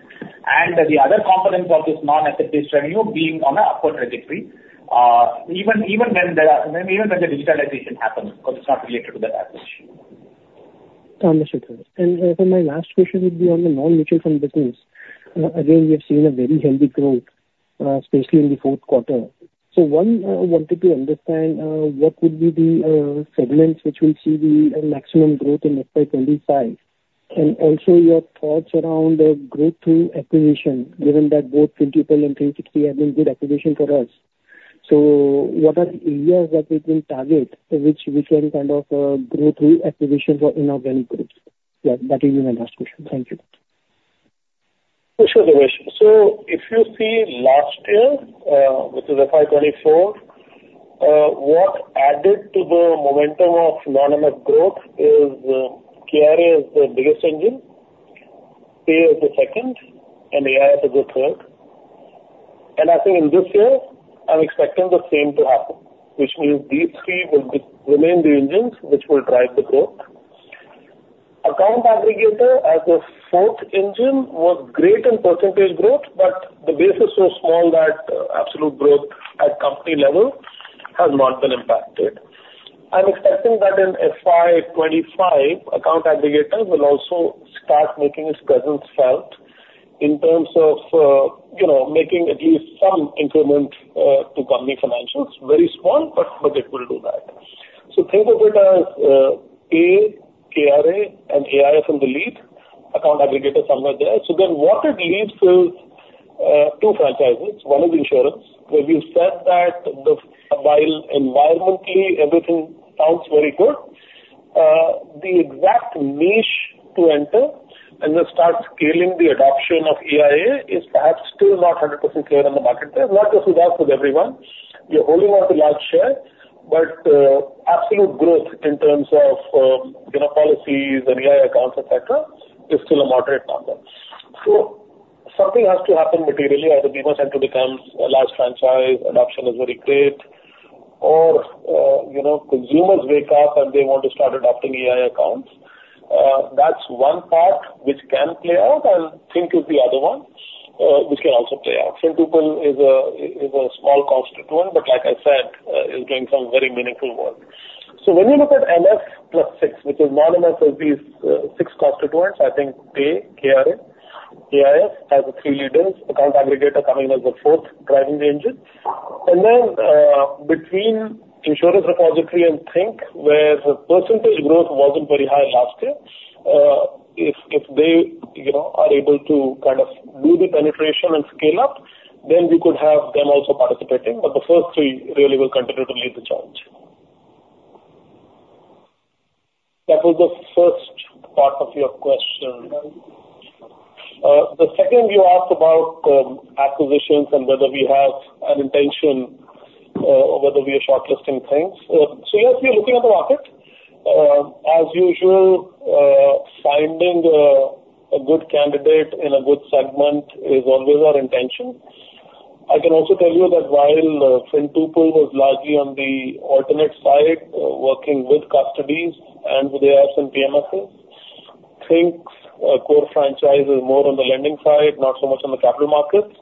And the other component of this non-asset-based revenue being on an upward trajectory, even when the digitalization happens, because it's not related to that application. Understood. And, then my last question would be on the non-mutual fund business. Again, we have seen a very healthy growth, especially in the fourth quarter. So one, wanted to understand, what would be the, segments which will see the maximum growth in FY 25, and also your thoughts around, growth through acquisition, given that both Fintuple and Think360 have been good acquisition for us. So what are the areas that we will target, which, which are kind of, growth through acquisition for inorganic growth? Yeah, that is my last question. Thank you. Sure, Devesh. So if you see last year, which is FY 2024, what added to the momentum of nominal growth is, KRA is the biggest engine, Pay is the second, and AIF is the third. And I think in this year, I'm expecting the same to happen, which means these three will re-remain the engines which will drive the growth. Account Aggregator as a fourth engine was great in percentage growth, but the base is so small that, absolute growth at company level has not been impacted. I'm expecting that in FY 2025, Account Aggregators will also start making its presence felt in terms of, you know, making at least some increment, to company financials. Very small, but, but it will do that. So think of it as pay, KRA and AIF from the lead Account Aggregator somewhere there. So then what it leads to, two franchises. One is insurance, where we've said that while environmentally everything sounds very good, the exact niche to enter and then start scaling the adoption of EIA is perhaps still not 100% clear in the market. There's lot of feedback with everyone.... You're holding on to a large share, but, absolute growth in terms of, you know, policies and EIA accounts, et cetera, is still a moderate number. So something has to happen materially, either Bima Central becomes a large franchise, adoption is very great, or, you know, consumers wake up and they want to start adopting EIA accounts. That's one part which can play out, and Think360 is the other one, which can also play out. Fintuple is a small constituent, but like I said, is doing some very meaningful work. So when you look at MF plus six, which is non-MF of these, six constituents, I think Pay, KRA, AIFs, as the three leaders, Account Aggregator coming as the fourth driving the engine. And then, between insurance Repository and Think, where the percentage growth wasn't very high last year, if they, you know, are able to kind of do the penetration and scale up, then we could have them also participating. But the first three really will continue to lead the charge. That was the first part of your question. The second, you asked about, acquisitions and whether we have an intention, or whether we are shortlisting things. So yes, we are looking at the market. As usual, finding a good candidate in a good segment is always our intention. I can also tell you that while, Fintuple was largely on the alternative side, working with custodians and with the AIFs and PMSs, Think's core franchise is more on the lending side, not so much on the capital markets.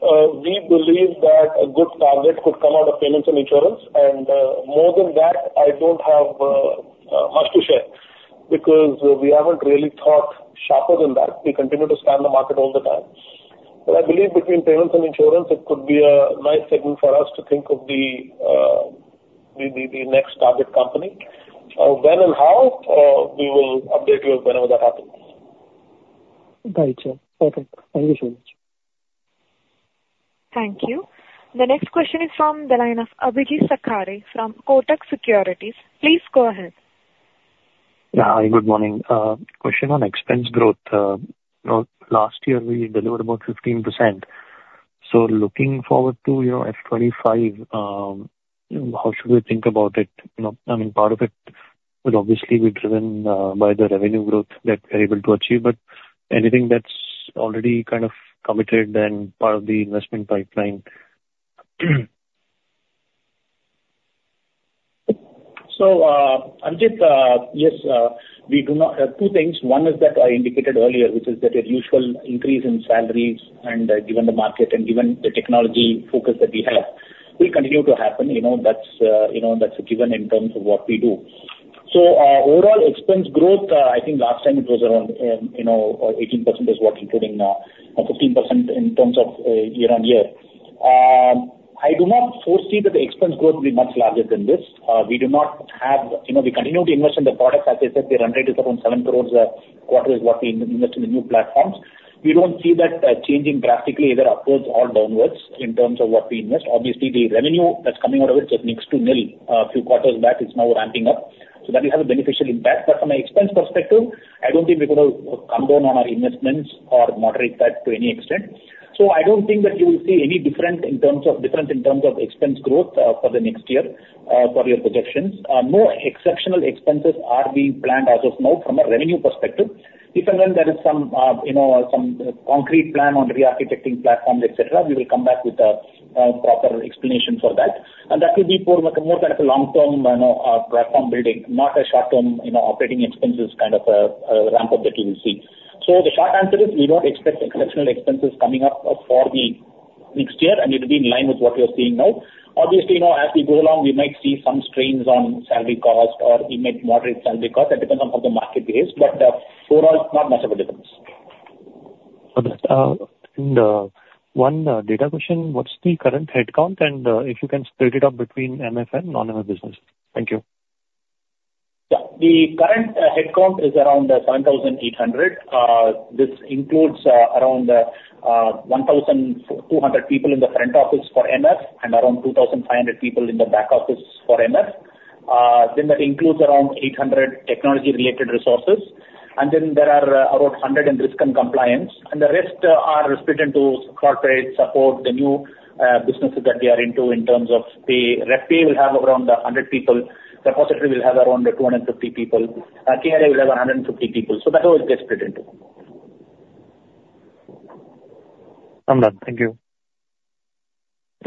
We believe that a good target could come out of payments and insurance, and more than that, I don't have much to share, because we haven't really thought sharper than that. We continue to scan the market all the time. But I believe between payments and insurance, it could be a nice segment for us to think of the next target company. When and how we will update you whenever that happens. Got you. Okay. Thank you so much. Thank you. The next question is from the line of Abhijeet Sakhare from Kotak Securities. Please go ahead. Yeah. Hi, good morning. Question on expense growth. You know, last year we delivered about 15%. So looking forward to your FY25, how should we think about it? You know, I mean, part of it will obviously be driven by the revenue growth that we're able to achieve, but anything that's already kind of committed and part of the investment pipeline? So, Abhijeet, yes, we do not. Two things. One is that I indicated earlier, which is that a usual increase in salaries and, given the market and given the technology focus that we have, will continue to happen. You know, that's, you know, that's a given in terms of what we do. So, overall expense growth, I think last time it was around, you know, 18% is what, including, 15% in terms of, year-on-year. I do not foresee that the expense growth will be much larger than this. We do not have. You know, we continue to invest in the products. As I said, the run rate is around 7 crore quarter is what we invest in the new platforms. We don't see that changing drastically, either upwards or downwards, in terms of what we invest. Obviously, the revenue that's coming out of it is next to nil, a few quarters back, it's now ramping up. So that will have a beneficial impact, but from an expense perspective, I don't think we're gonna come down on our investments or moderate that to any extent. So I don't think that you will see any different in terms of, different in terms of expense growth, for the next year, for your projections. More exceptional expenses are being planned as of now from a revenue perspective. If and when there is some, you know, some concrete plan on re-architecting platforms, et cetera, we will come back with a, a proper explanation for that. And that will be for more kind of a long-term, you know, platform building, not a short-term, you know, operating expenses kind of a ramp-up that you will see. So the short answer is, we don't expect exceptional expenses coming up for the next year, and it'll be in line with what you're seeing now. Obviously, you know, as we go along, we might see some strains on salary cost or we might moderate salary cost. That depends on how the market is, but overall, not much of a difference. Understood. And one data question: What's the current headcount, and if you can split it up between MF and non-MF business? Thank you. Yeah. The current headcount is around 7,800. This includes around 1,200 people in the front office for MF and around 2,500 people in the back office for MF. Then that includes around 800 technology-related resources, and then there are about 100 in risk and compliance, and the rest are split into corporate support, the new businesses that we are into in terms of the... Rep will have around 100 people, Repository will have around 250 people, KRA will have 150 people, so that is where it gets split into. I'm done. Thank you.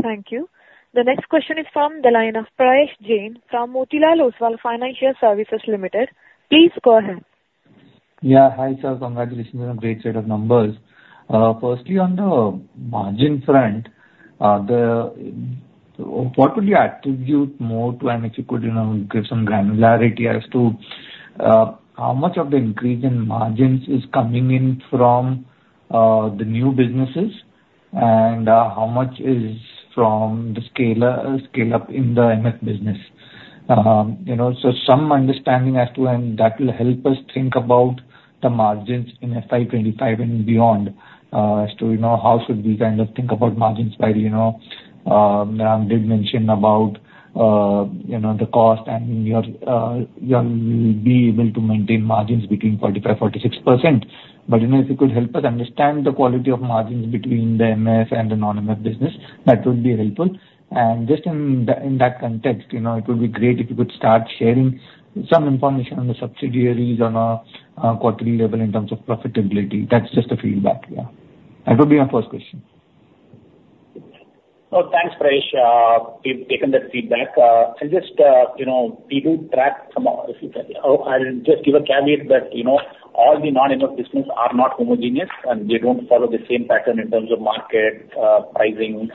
Thank you. The next question is from the line of Prayesh Jain from Motilal Oswal Financial Services Limited. Please go ahead. Yeah. Hi, sir. Congratulations on a great set of numbers. Firstly, on the margin front, what would you attribute more to, and if you could, you know, give some granularity as to, how much of the increase in margins is coming in from, the new businesses, and, how much is from the scale, scale-up in the MF business? You know, so some understanding as to when that will help us think about the margins in FY 25 and beyond, as to, you know, how should we kind of think about margins where, you know, did mention about, you know, the cost and your, you'll be able to maintain margins between 45%-46%.... but, you know, if you could help us understand the quality of margins between the MF and the non-MF business, that would be helpful. Just in that context, you know, it would be great if you could start sharing some information on the subsidiaries on a quarterly level in terms of profitability. That's just a feedback. Yeah. That would be my first question. Oh, thanks, Prayesh. We've taken that feedback. I'll just, you know, we do track some of this. I'll just give a caveat that, you know, all the non-MF businesses are not homogeneous, and they don't follow the same pattern in terms of market, pricing,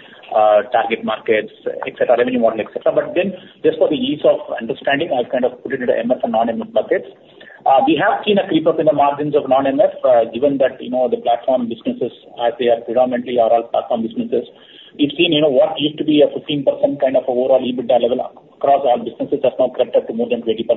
target markets, et cetera, revenue model, et cetera. But then, just for the ease of understanding, I'll kind of put it into MF and non-MF buckets. We have seen a creep up in the margins of non-MF, given that, you know, the platform businesses, as they are predominantly are all platform businesses. We've seen, you know, what used to be a 15% kind of overall EBITDA level across our businesses has now crept up to more than 20%.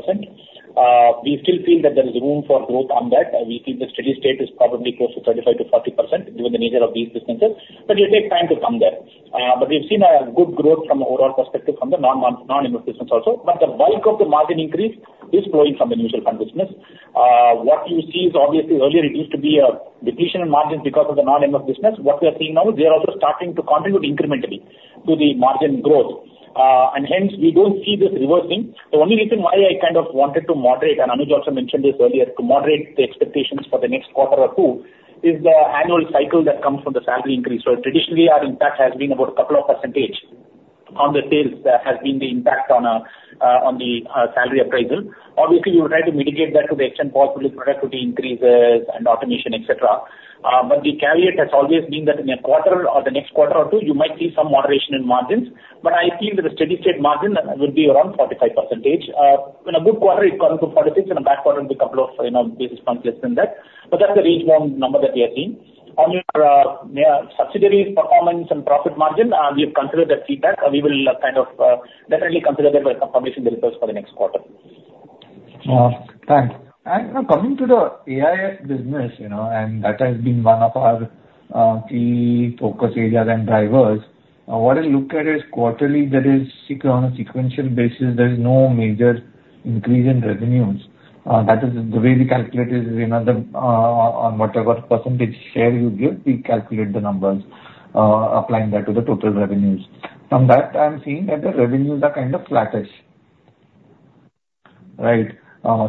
We still feel that there is room for growth on that, and we think the steady state is probably close to 35%-40%, given the nature of these businesses, but it will take time to come there. But we've seen a good growth from an overall perspective from the non-MF business also. But the bulk of the margin increase is flowing from the mutual fund business. What you see is obviously earlier it used to be a depletion in margins because of the non-MF business. What we are seeing now, they are also starting to contribute incrementally to the margin growth, and hence we don't see this reversing. The only reason why I kind of wanted to moderate, and Anuj also mentioned this earlier, to moderate the expectations for the next quarter or two, is the annual cycle that comes from the salary increase. So traditionally, our impact has been about a couple of percentage on the sales, that has been the impact on the salary appraisal. Obviously, we will try to mitigate that to the extent possible with productivity increases and automation, et cetera. But the caveat has always been that in a quarter or the next quarter or two, you might see some moderation in margins, but I feel that the steady-state margin that will be around 45%. In a good quarter, it comes to 46%, in a bad quarter, it will be a couple of, you know, basis points less than that. But that's the range one number that we are seeing. On your subsidiary performance and profit margin, we have considered that feedback, and we will kind of definitely consider that while publishing the results for the next quarter. Thanks. And now, coming to the AIF business, you know, and that has been one of our key focus areas and drivers. What I look at is quarterly, that is, on a sequential basis, there is no major increase in revenues. That is the way we calculate it is, you know, the on whatever percentage share you give, we calculate the numbers applying that to the total revenues. From that, I'm seeing that the revenues are kind of flattish, right?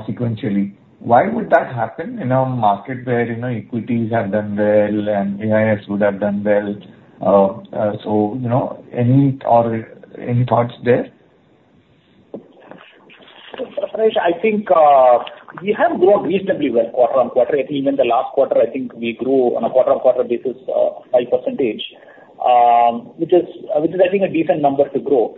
Sequentially. Why would that happen in a market where, you know, equities have done well and AIFs would have done well? So, you know, any or any thoughts there? Prayesh, I think we have grown reasonably well quarter-on-quarter. I think even the last quarter, I think we grew on a quarter-on-quarter basis 5%, which is, which is, I think, a decent number to grow.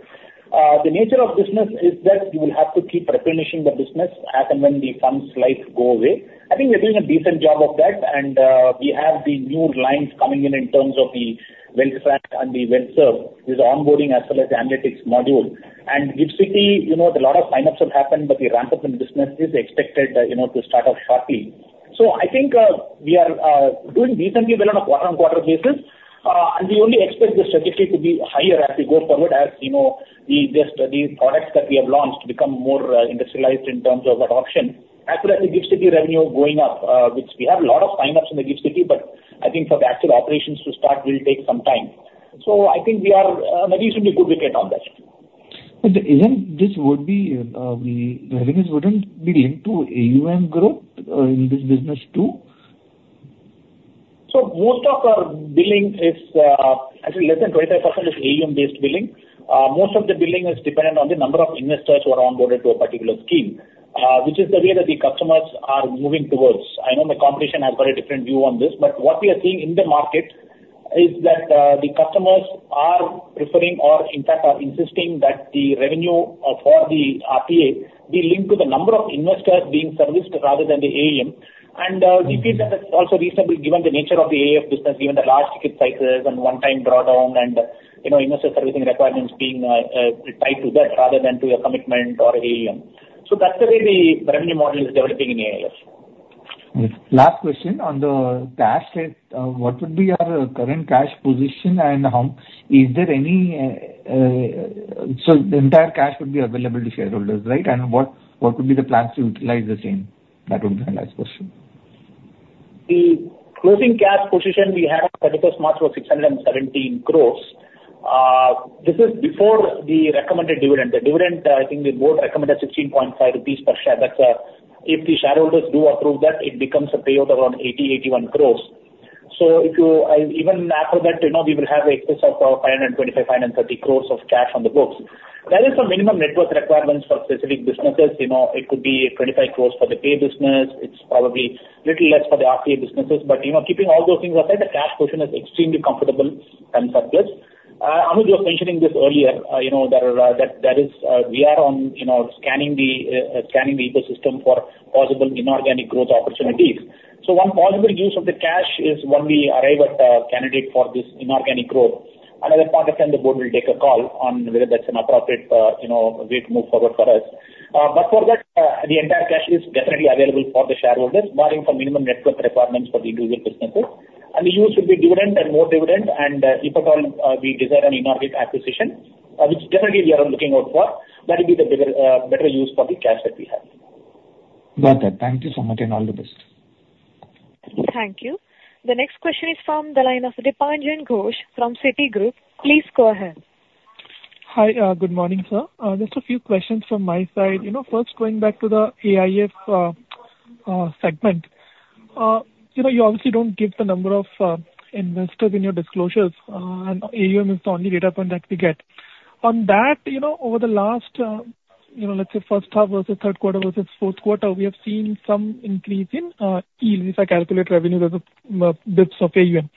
The nature of business is that you will have to keep replenishing the business as and when the funds' lives go away. I think we're doing a decent job of that, and we have the new lines coming in, in terms of the WealthTrak and the WealthServ, with onboarding as well as the analytics module. And GIFT City, you know, there are a lot of sign-ups have happened, but the ramp-up in business is expected, you know, to start off shortly. So I think we are doing decently well on a quarter-on-quarter basis. We only expect the strategy to be higher as we go forward, as you know, the products that we have launched become more industrialized in terms of adoption. Actually, the GIFT City revenue going up, which we have a lot of sign-ups in the GIFT City, but I think for the actual operations to start will take some time. So I think we are maybe should be good wicket on that. But isn't this would be the revenues wouldn't be linked to AUM growth in this business too? So most of our billing is, actually less than 25% is AUM-based billing. Most of the billing is dependent on the number of investors who are onboarded to a particular scheme, which is the way that the customers are moving towards. I know the competition has got a different view on this, but what we are seeing in the market is that, the customers are preferring or in fact, are insisting that the revenue, for the RTA be linked to the number of investors being serviced rather than the AUM. And, we feel that that's also reasonable, given the nature of the AIF business, given the large ticket sizes and one-time brought on and, you know, investor servicing requirements being, tied to that rather than to a commitment or AUM. So that's the way the revenue model is developing in AIF. Last question on the cash state. What would be your current cash position, and is there any... So the entire cash would be available to shareholders, right? And what, what would be the plans to utilize the same? That would be my last question. The closing cash position we had on 31st March was 617 crore. This is before the recommended dividend. The dividend, I think the board recommended 16.5 rupees per share. That's, if the shareholders do approve that, it becomes a payout around 80-81 crore. So if you even after that, you know, we will have excess of, 525-530 crore of cash on the books. There is some minimum net worth requirements for specific businesses. You know, it could be 25 crore for the Pay business. It's probably little less for the RTA businesses. But, you know, keeping all those things aside, the cash position is extremely comfortable and surplus. Anuj was mentioning this earlier, you know, that, that there is, we are on, you know, scanning the, scanning the ecosystem for possible inorganic growth opportunities. So one possible use of the cash is when we arrive at a candidate for this inorganic growth. Another part, again, the board will take a call on whether that's an appropriate, you know, way to move forward for us. But for that, the entire cash is definitely available for the shareholders, barring some minimum net worth requirements for the individual businesses.... and the use will be dividend and more dividend, and, if at all, we desire an inorganic acquisition, which generally we are looking out for, that will be the better, better use for the cash that we have. Got that. Thank you so much, and all the best. Thank you. The next question is from the line of Dipanjan Ghosh from Citigroup. Please go ahead. Hi, good morning, sir. Just a few questions from my side. You know, first, going back to the AIF segment, you know, you obviously don't give the number of investors in your disclosures, and AUM is the only data point that we get. On that, you know, over the last, you know, let's say first half versus third quarter versus fourth quarter, we have seen some increase in yields if I calculate revenue versus dips of AUM.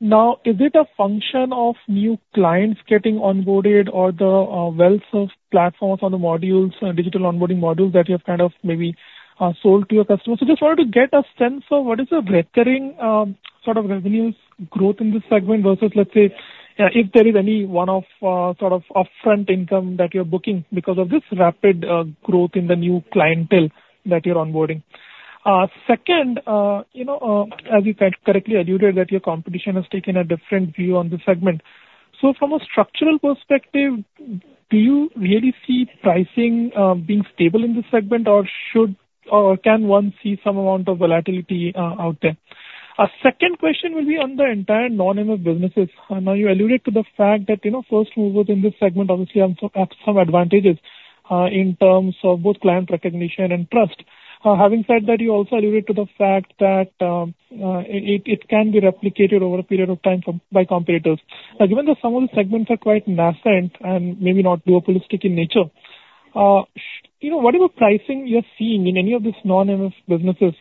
Now, is it a function of new clients getting onboarded or the wealth of platforms on the modules, digital onboarding modules, that you have kind of maybe sold to your customers? So just wanted to get a sense of what is the recurring, sort of revenues growth in this segment versus, let's say, if there is any one-off, sort of upfront income that you're booking because of this rapid growth in the new clientele that you're onboarding. Second, you know, as you kind of correctly alluded, that your competition has taken a different view on this segment. So from a structural perspective, do you really see pricing being stable in this segment, or should... or can one see some amount of volatility out there? Second question will be on the entire non-MF businesses. I know you alluded to the fact that, you know, first movers in this segment obviously have some advantages in terms of both client recognition and trust. Having said that, you also alluded to the fact that, it can be replicated over a period of time from, by competitors. Now, given that some of the segments are quite nascent and maybe not duopolistic in nature, you know, whatever pricing you're seeing in any of these non-MF businesses,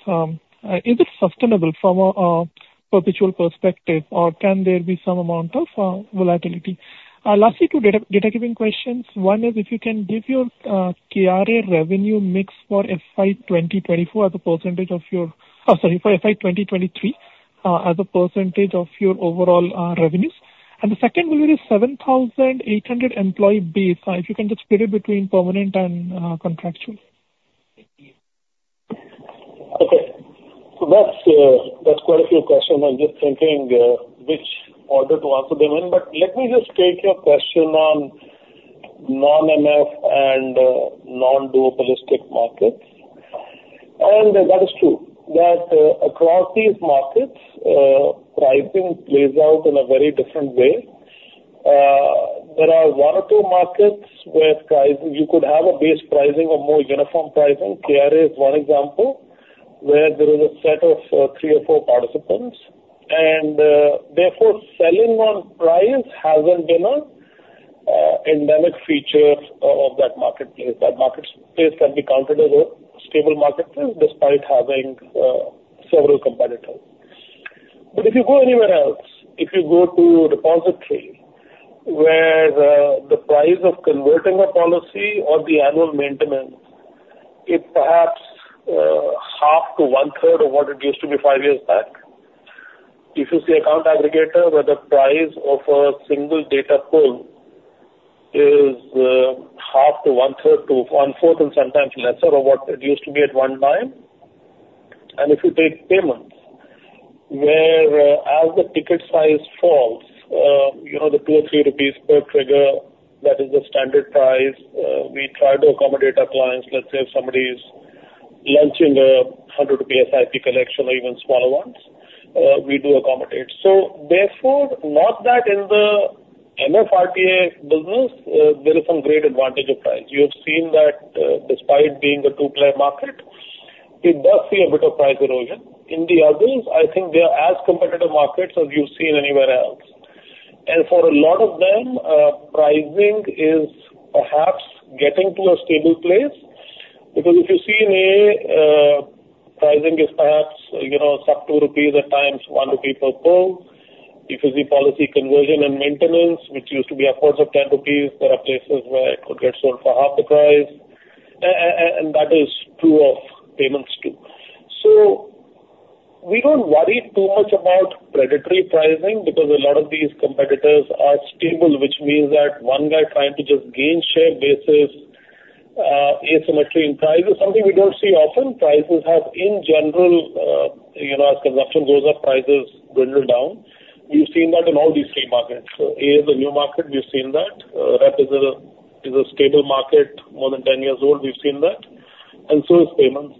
is it sustainable from a perpetual perspective, or can there be some amount of volatility? Lastly, two data-giving questions. One is, if you can give your KRA revenue mix for FY 2024 as a percentage of your... Sorry, for FY 2023, as a percentage of your overall revenues. And the second will be the 7,800 employee base, if you can just split it between permanent and contractual. Okay. So that's quite a few questions. I'm just thinking which order to answer them in. But let me just take your question on non-MF and non-duopolistic markets. And that is true, that across these markets, pricing plays out in a very different way. There are one or two markets where you could have a base pricing or more uniform pricing. KRA is one example, where there is a set of three or four participants, and therefore, selling on price hasn't been an endemic feature of that marketplace. That marketplace can be counted as a stable marketplace, despite having several competitors. But if you go anywhere else, if you go to Repository, where the price of converting a policy or the annual maintenance is perhaps half to one-third of what it used to be 5 years back. If you see Account aggregator, where the price of a single data pull is half to one-third to one-fourth, and sometimes lesser of what it used to be at one time. And if you take payments, where as the ticket size falls, you know, the 2 or 3 rupees per trigger, that is the standard price, we try to accommodate our clients. Let's say if somebody is launching a 100 rupee SIP collection or even smaller ones, we do accommodate. So therefore, not that in the MF RTA business, there is some great advantage of price. You have seen that, despite being a two-player market, we do see a bit of price erosion. In the others, I think they are as competitive markets as you've seen anywhere else. And for a lot of them, pricing is perhaps getting to a stable place. Because if you see a, pricing is perhaps, you know, sub 2 rupees, at times 1 rupee per folio. If you see policy conversion and maintenance, which used to be upwards of 10 rupees, there are cases where it could get sold for half the price. And that is true of payments, too. So we don't worry too much about predatory pricing, because a lot of these competitors are stable, which means that one guy trying to just gain share basis, asymmetry in price is something we don't see often. Prices have, in general, you know, as consumption goes up, prices grind down. We've seen that in all these three markets. So AA is a new market, we've seen that. Rep is a stable market, more than 10 years old, we've seen that, and so is payments.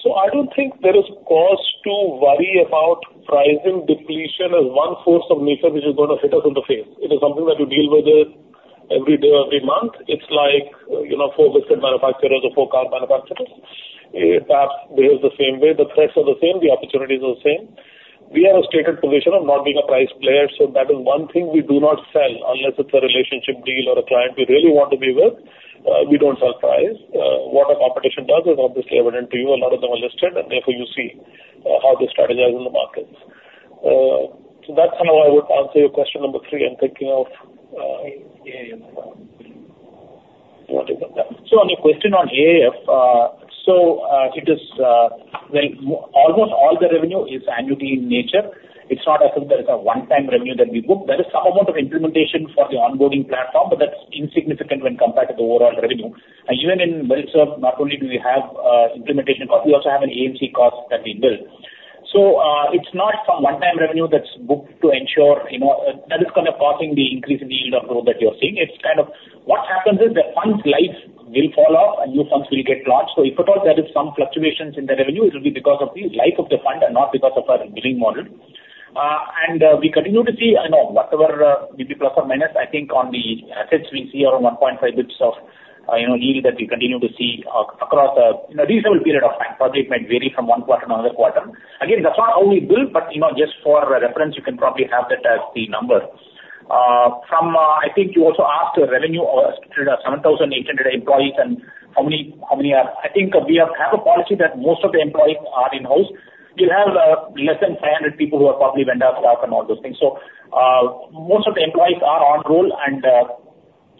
So I don't think there is cause to worry about pricing depletion as one force of nature which is gonna hit us in the face. It is something that we deal with it every day, every month. It's like, you know, for biscuit manufacturers or for car manufacturers. It perhaps behaves the same way. The threats are the same, the opportunities are the same. We have a stated position of not being a price player, so that is one thing we do not sell unless it's a relationship deal or a client we really want to be with. We don't sell price. What our competition does is obviously evident to you. A lot of them are listed, and therefore you see how they strategize in the markets. So that's how I would answer your question number three. I'm thinking of.... So on your question on AIF, it is, well, almost all the revenue is annuity in nature. It's not as if there is a one-time revenue that we book. There is some amount of implementation for the onboarding platform, but that's insignificant when compared to the overall revenue. And even in WealthServ, not only do we have an implementation cost, we also have an AMC cost that we bill. So, it's not some one-time revenue that's booked to ensure, you know, that is kind of causing the increase in the yield of growth that you're seeing. It's kind of what happens is, the funds' life will fall off and new funds will get launched. So if at all there is some fluctuations in the revenue, it will be because of the life of the fund and not because of our billing model. And, we continue to see, I know, whatever, may be plus or minus, I think on the assets we see around 1.5 bps of, you know, yield that we continue to see across a, you know, reasonable period of time, but it might vary from one quarter to another quarter. Again, that's not how we build, but, you know, just for reference, you can probably have that as the number. From, I think you also asked revenue of 7,800 employees and how many are... I think we have a policy that most of the employees are in-house. We have, less than 500 people who are probably vendor staff and all those things. So, most of the employees are on roll and,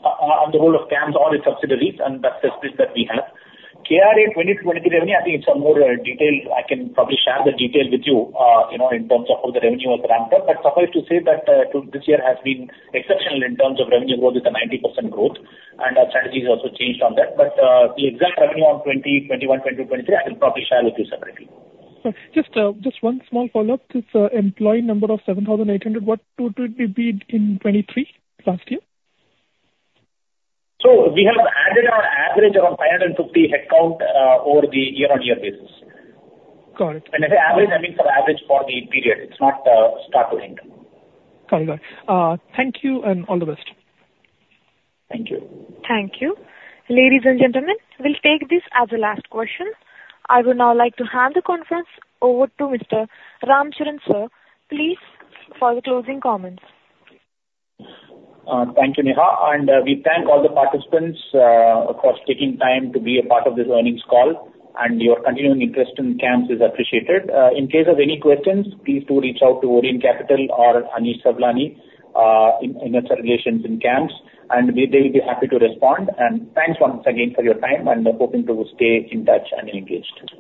on the roll of CAMS or its subsidiaries, and that's the split that we have. KRA 2020-2023 revenue, I think in some more detail, I can probably share the detail with you, you know, in terms of how the revenue was ramped up. But suffice to say that, to this year has been exceptional in terms of revenue growth with a 90% growth, and our strategy has also changed on that. But, the exact revenue on 2020, 2021, 2020-2023, I will probably share with you separately. Just, just one small follow-up. This, employee number of 7,800, what would it be in 2023, last year? We have added on average around 550 headcount over the year-on-year basis. Got it. When I say average, I mean for average for the period, it's not, start to end. Got it. Thank you and all the best. Thank you. Thank you. Ladies and gentlemen, we'll take this as the last question. I would now like to hand the conference over to Mr. Ramcharan, sir, please, for the closing comments. Thank you, Neha, and we thank all the participants for taking time to be a part of this earnings call, and your continuing interest in CAMS is appreciated. In case of any questions, please do reach out to Orient Capital or Anish Sawlani in investor relations in CAMS, and they will be happy to respond. Thanks once again for your time, and hoping to stay in touch and engaged.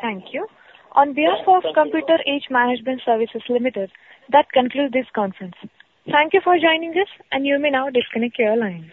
Thank you. On behalf of Computer Age Management Services Limited, that concludes this conference. Thank you for joining us, and you may now disconnect your lines.